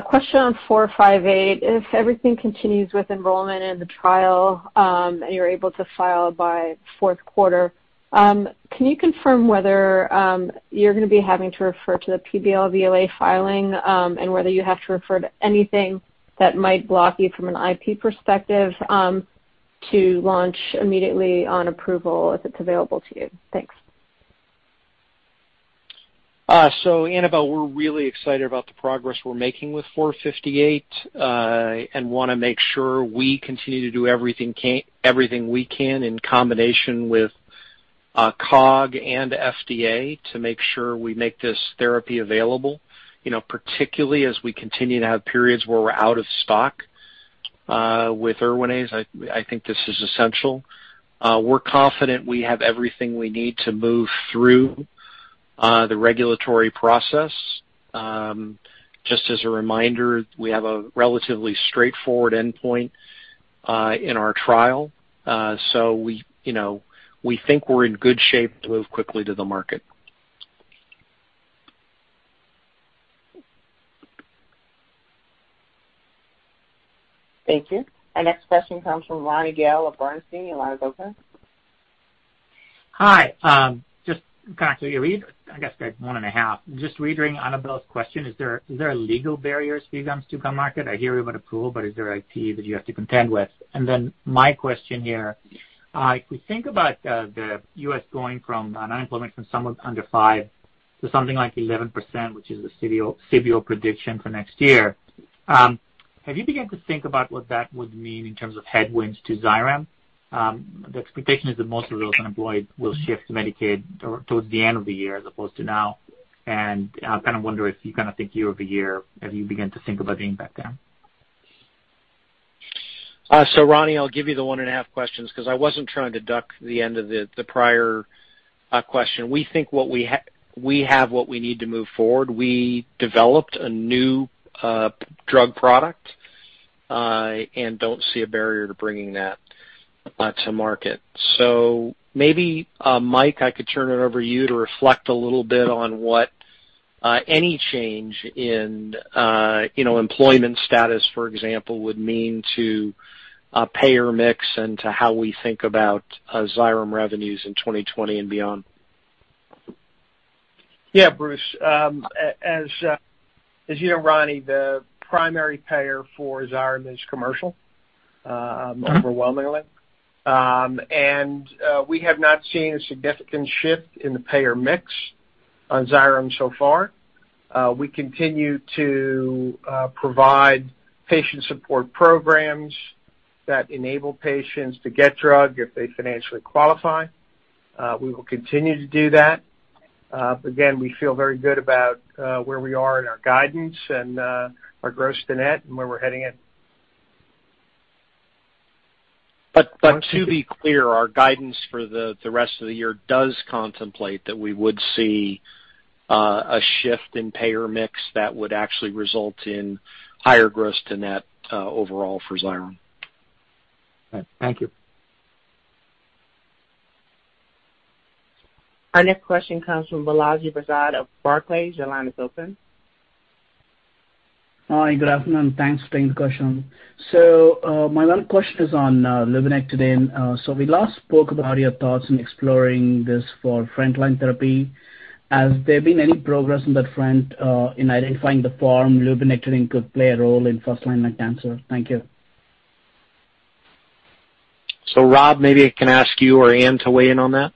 S19: question on 458. If everything continues with enrollment and the trial and you're able to file by fourth quarter, can you confirm whether you're going to be having to refer to the PBL BLA filing and whether you have to refer to anything that might block you from an IP perspective to launch immediately on approval if it's available to you? Thanks.
S3: Annabel, we're really excited about the progress we're making with 458 and want to make sure we continue to do everything we can in combination with COG and FDA to make sure we make this therapy available, particularly as we continue to have periods where we're out of stock with Erwinaze. I think this is essential. We're confident we have everything we need to move through the regulatory process. Just as a reminder, we have a relatively straightforward endpoint in our trial. We think we're in good shape to move quickly to the market.
S1: Thank you. Our next question comes from Ronny Gal of Bernstein. Your line is open.
S20: Hi. Just going to do a read. I guess one and a half. Just reading Annabel's question, is there a legal barrier for you guys to come to market? I hear you about approval, but is there an IP that you have to contend with? And then my question here, if we think about the U.S. going from unemployment from somewhat under 5% to something like 11%, which is the CBO prediction for next year, have you begun to think about what that would mean in terms of headwinds to Xyrem? The expectation is that most of those unemployed will shift to Medicaid towards the end of the year as opposed to now. And I kind of wonder if you kind of think year-over-year, have you begun to think about being back there?
S3: Ronny, I'll give you the one and a half questions because I wasn't trying to duck the end of the prior question. We think we have what we need to move forward. We developed a new drug product and don't see a barrier to bringing that to market. So maybe, Mike, I could turn it over to you to reflect a little bit on what any change in employment status, for example, would mean to payer mix and to how we think about Xyrem revenues in 2020 and beyond.
S9: Yeah, Bruce. As you know, Ronny, the primary payer for Xyrem is commercial, overwhelmingly. And we have not seen a significant shift in the payer mix on Xyrem so far. We continue to provide patient support programs that enable patients to get drug if they financially qualify. We will continue to do that. But again, we feel very good about where we are in our guidance and our gross-to-net and where we're heading in.
S3: But to be clear, our guidance for the rest of the year does contemplate that we would see a shift in payer mix that would actually result in higher gross-to-net overall for Xyrem.
S20: Thank you.
S1: Our next question comes from Balaji Prasad of Barclays. Your line is open.
S21: Hi. Good afternoon. Thanks for taking the question. So my one question is on lurbinectedin. So we last spoke about your thoughts in exploring this for frontline therapy. Has there been any progress on that front in identifying the form lurbinectedin could play a role in first-line lung cancer? Thank you.
S3: So Rob, maybe I can ask you or Anne to weigh in on that.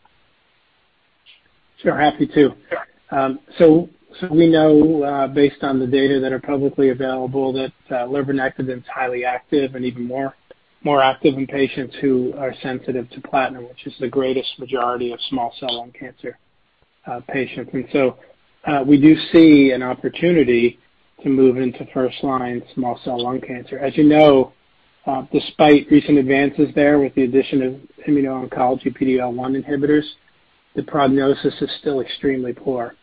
S5: Sure. Happy to. So we know, based on the data that are publicly available, that lurbinectedin is highly active and even more active in patients who are sensitive to platinum, which is the greatest majority of small cell lung cancer patients. And so we do see an opportunity to move into first-line small cell lung cancer. As you know, despite recent advances there with the addition of immuno-oncology PD-L1 inhibitors, the prognosis is still extremely poor.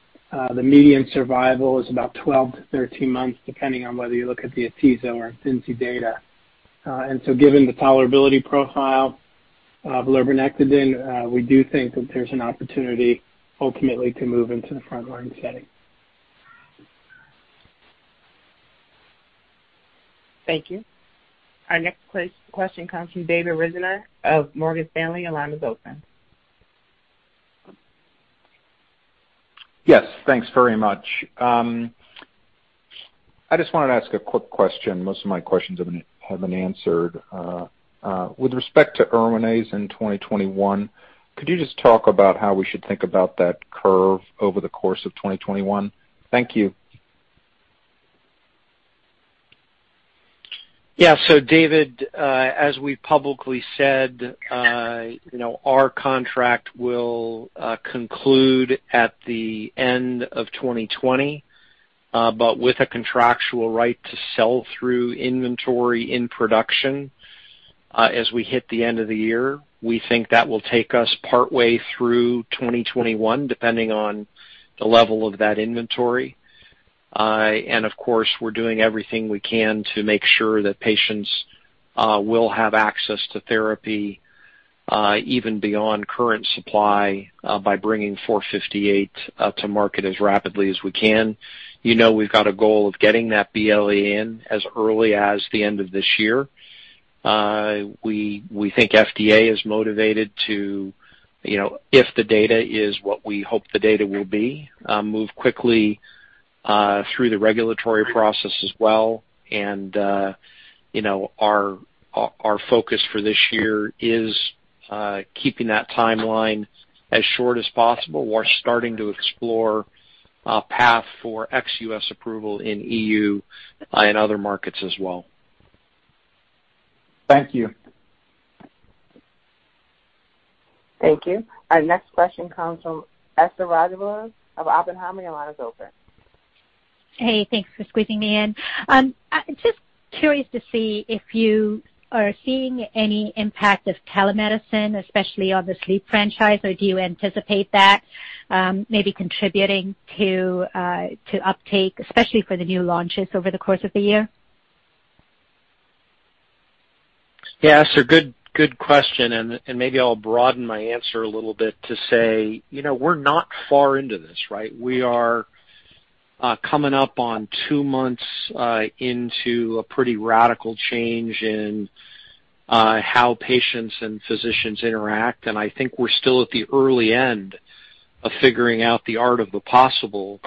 S5: The median survival is about 12-13 months, depending on whether you look at the atezolizumab or Imfinzi data. And so given the tolerability profile of lurbinectedin, we do think that there's an opportunity ultimately to move into the frontline setting.
S1: Thank you. Our next question comes from David Risinger of Morgan Stanley. Your line is open.
S22: Yes. Thanks very much. I just wanted to ask a quick question. Most of my questions have been answered. With respect to Erwinaze in 2021, could you just talk about how we should think about that curve over the course of 2021? Thank you.
S3: Yeah. So David, as we publicly said, our contract will conclude at the end of 2020, but with a contractual right to sell through inventory in production as we hit the end of the year. We think that will take us partway through 2021, depending on the level of that inventory. And of course, we're doing everything we can to make sure that patients will have access to therapy even beyond current supply by bringing 458 to market as rapidly as we can. We've got a goal of getting that BLA in as early as the end of this year. We think FDA is motivated to, if the data is what we hope the data will be, move quickly through the regulatory process as well. And our focus for this year is keeping that timeline as short as possible. We're starting to explore a path for ex U.S. approval in EU and other markets as well.
S22: Thank you.
S1: Thank you. Our next question comes from Esther Rajavelu of Oppenheimer. Your line is open.
S23: Hey. Thanks for squeezing me in. Just curious to see if you are seeing any impact of telemedicine, especially on the sleep franchise, or do you anticipate that maybe contributing to uptake, especially for the new launches over the course of the year?
S3: Yeah. So good question. And maybe I'll broaden my answer a little bit to say we're not far into this, right? We are coming up on two months into a pretty radical change in how patients and physicians interact. And I think we're still at the early end of figuring out the art of the possible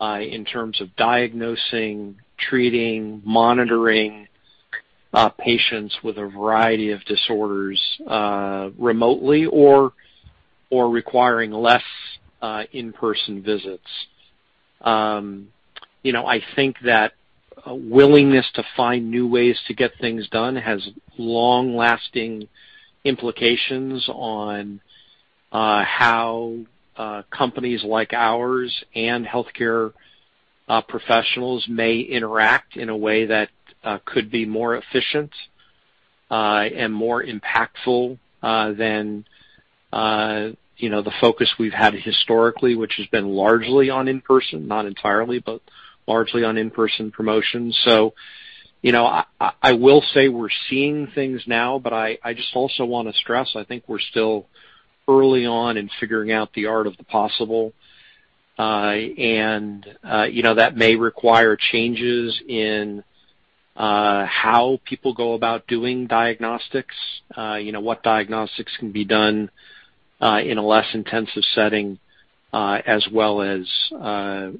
S3: in terms of diagnosing, treating, monitoring patients with a variety of disorders remotely or requiring less in-person visits. I think that willingness to find new ways to get things done has long-lasting implications on how companies like ours and healthcare professionals may interact in a way that could be more efficient and more impactful than the focus we've had historically, which has been largely on in-person, not entirely, but largely on in-person promotions. So I will say we're seeing things now, but I just also want to stress I think we're still early on in figuring out the art of the possible. And that may require changes in how people go about doing diagnostics, what diagnostics can be done in a less intensive setting, as well as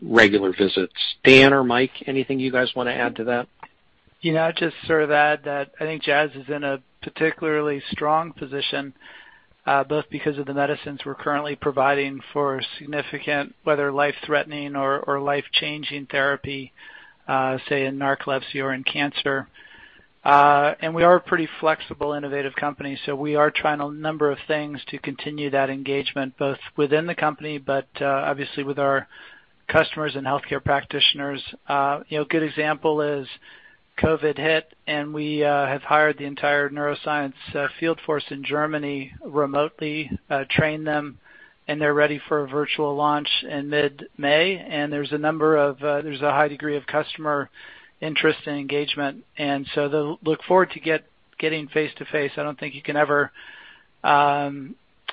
S3: regular visits. Dan or Mike, anything you guys want to add to that?
S4: Just sort of add that I think Jazz is in a particularly strong position, both because of the medicines we're currently providing for significant, whether life-threatening or life-changing therapy, say, in narcolepsy or in cancer, and we are a pretty flexible, innovative company, so we are trying a number of things to continue that engagement, both within the company, but obviously with our customers and healthcare practitioners. A good example is COVID hit, and we have hired the entire neuroscience field force in Germany remotely, trained them, and they're ready for a virtual launch in mid-May, and there's a high degree of customer interest and engagement, and so they'll look forward to getting face-to-face. I don't think you can ever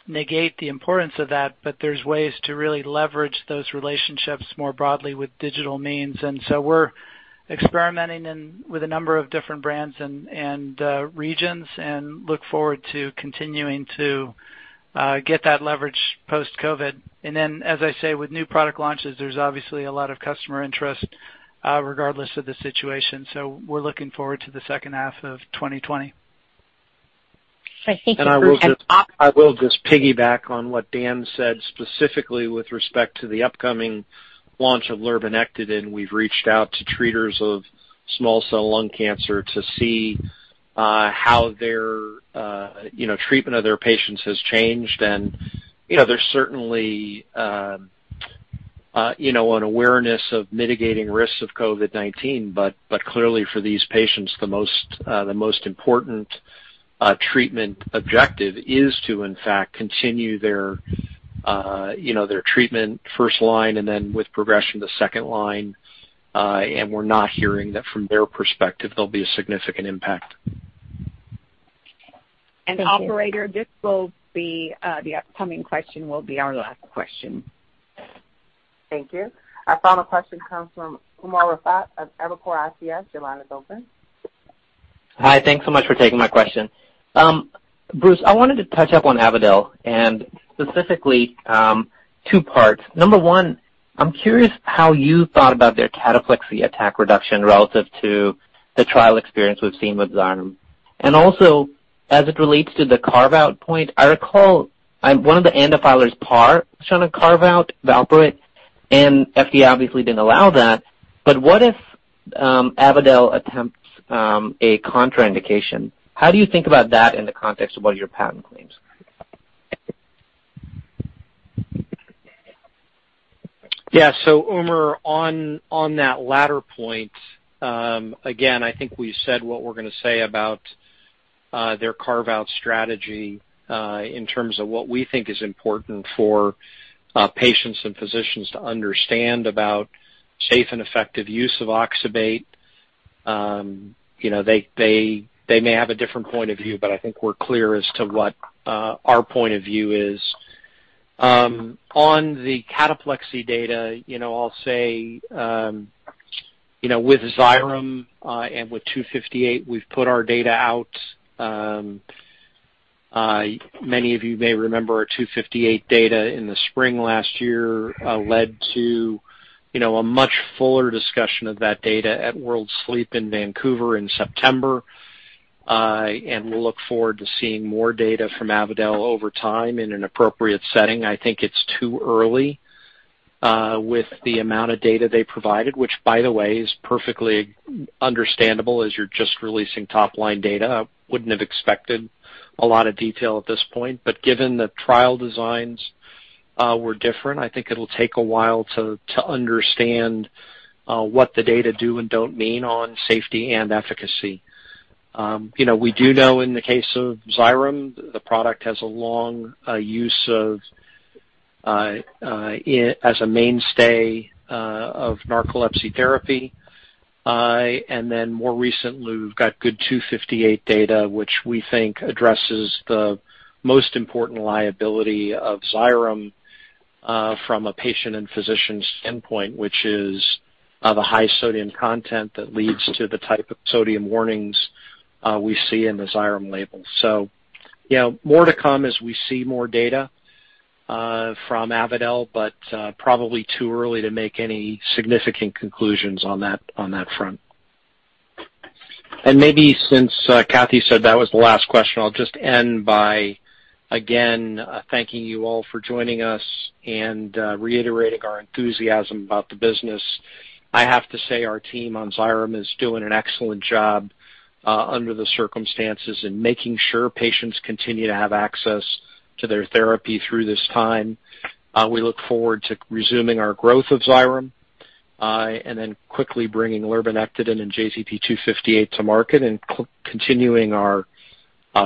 S4: negate the importance of that, but there's ways to really leverage those relationships more broadly with digital means. And so we're experimenting with a number of different brands and regions and look forward to continuing to get that leverage post-COVID. And then, as I say, with new product launches, there's obviously a lot of customer interest regardless of the situation. So we're looking forward to the second half of 2020.
S23: I think you can just.
S3: I will just piggyback on what Dan said specifically with respect to the upcoming launch of lurbinectedin. We've reached out to treaters of small-cell lung cancer to see how their treatment of their patients has changed. There's certainly an awareness of mitigating risks of COVID-19, but clearly for these patients, the most important treatment objective is to, in fact, continue their treatment first line and then with progression to second line. We're not hearing that from their perspective, there'll be a significant impact.
S2: Operator, this upcoming question will be our last question.
S1: Thank you. Our final question comes from Umer Raffat of Evercore ISI. Your line is open.
S24: Hi. Thanks so much for taking my question. Bruce, I wanted to touch upon Avadel, and specifically two parts. Number one, I'm curious how you thought about their cataplexy attack reduction relative to the trial experience we've seen with Xyrem. And also, as it relates to the carve-out point, I recall one of the ANDA filers' Paragraph IV shown on carve-out, valproate, and FDA obviously didn't allow that. But what if Avadel attempts a contraindication? How do you think about that in the context of what your patent claims?
S3: Yeah. So Umer, on that latter point, again, I think we've said what we're going to say about their carve-out strategy in terms of what we think is important for patients and physicians to understand about safe and effective use of oxybate. They may have a different point of view, but I think we're clear as to what our point of view is. On the cataplexy data, I'll say with Xyrem and with 258, we've put our data out. Many of you may remember our 258 data in the spring last year led to a much fuller discussion of that data at World Sleep in Vancouver in September. And we'll look forward to seeing more data from Avadel over time in an appropriate setting. I think it's too early with the amount of data they provided, which, by the way, is perfectly understandable as you're just releasing top-line data. I wouldn't have expected a lot of detail at this point. But given the trial designs were different, I think it'll take a while to understand what the data do and don't mean on safety and efficacy. We do know in the case of Xyrem, the product has a long use as a mainstay of narcolepsy therapy. And then more recently, we've got good 258 data, which we think addresses the most important liability of Xyrem from a patient and physician standpoint, which is the high sodium content that leads to the type of sodium warnings we see in the Xyrem label. So more to come as we see more data from Avadel, but probably too early to make any significant conclusions on that front. And maybe since Kathee said that was the last question, I'll just end by, again, thanking you all for joining us and reiterating our enthusiasm about the business. I have to say our team on Xyrem is doing an excellent job under the circumstances in making sure patients continue to have access to their therapy through this time. We look forward to resuming our growth of Xyrem and then quickly bringing lurbinectedin and JZP-258 to market and continuing our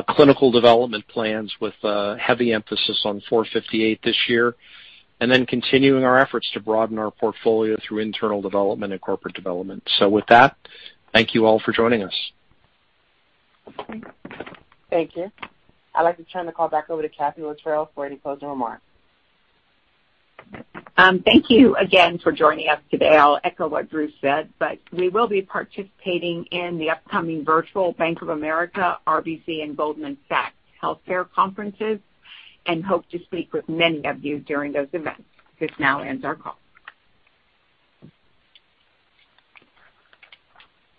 S3: clinical development plans with heavy emphasis on 458 this year, and then continuing our efforts to broaden our portfolio through internal development and corporate development. So with that, thank you all for joining us.
S1: Thank you. I'd like to turn the call back over to Kathee Littrell for any closing remarks.
S2: Thank you again for joining us today. I'll echo what Bruce said, but we will be participating in the upcoming virtual Bank of America, RBC, and Goldman Sachs healthcare conferences and hope to speak with many of you during those events. This now ends our call.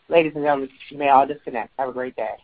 S1: Ladies and gentlemen, may I disconnect? Have a great day.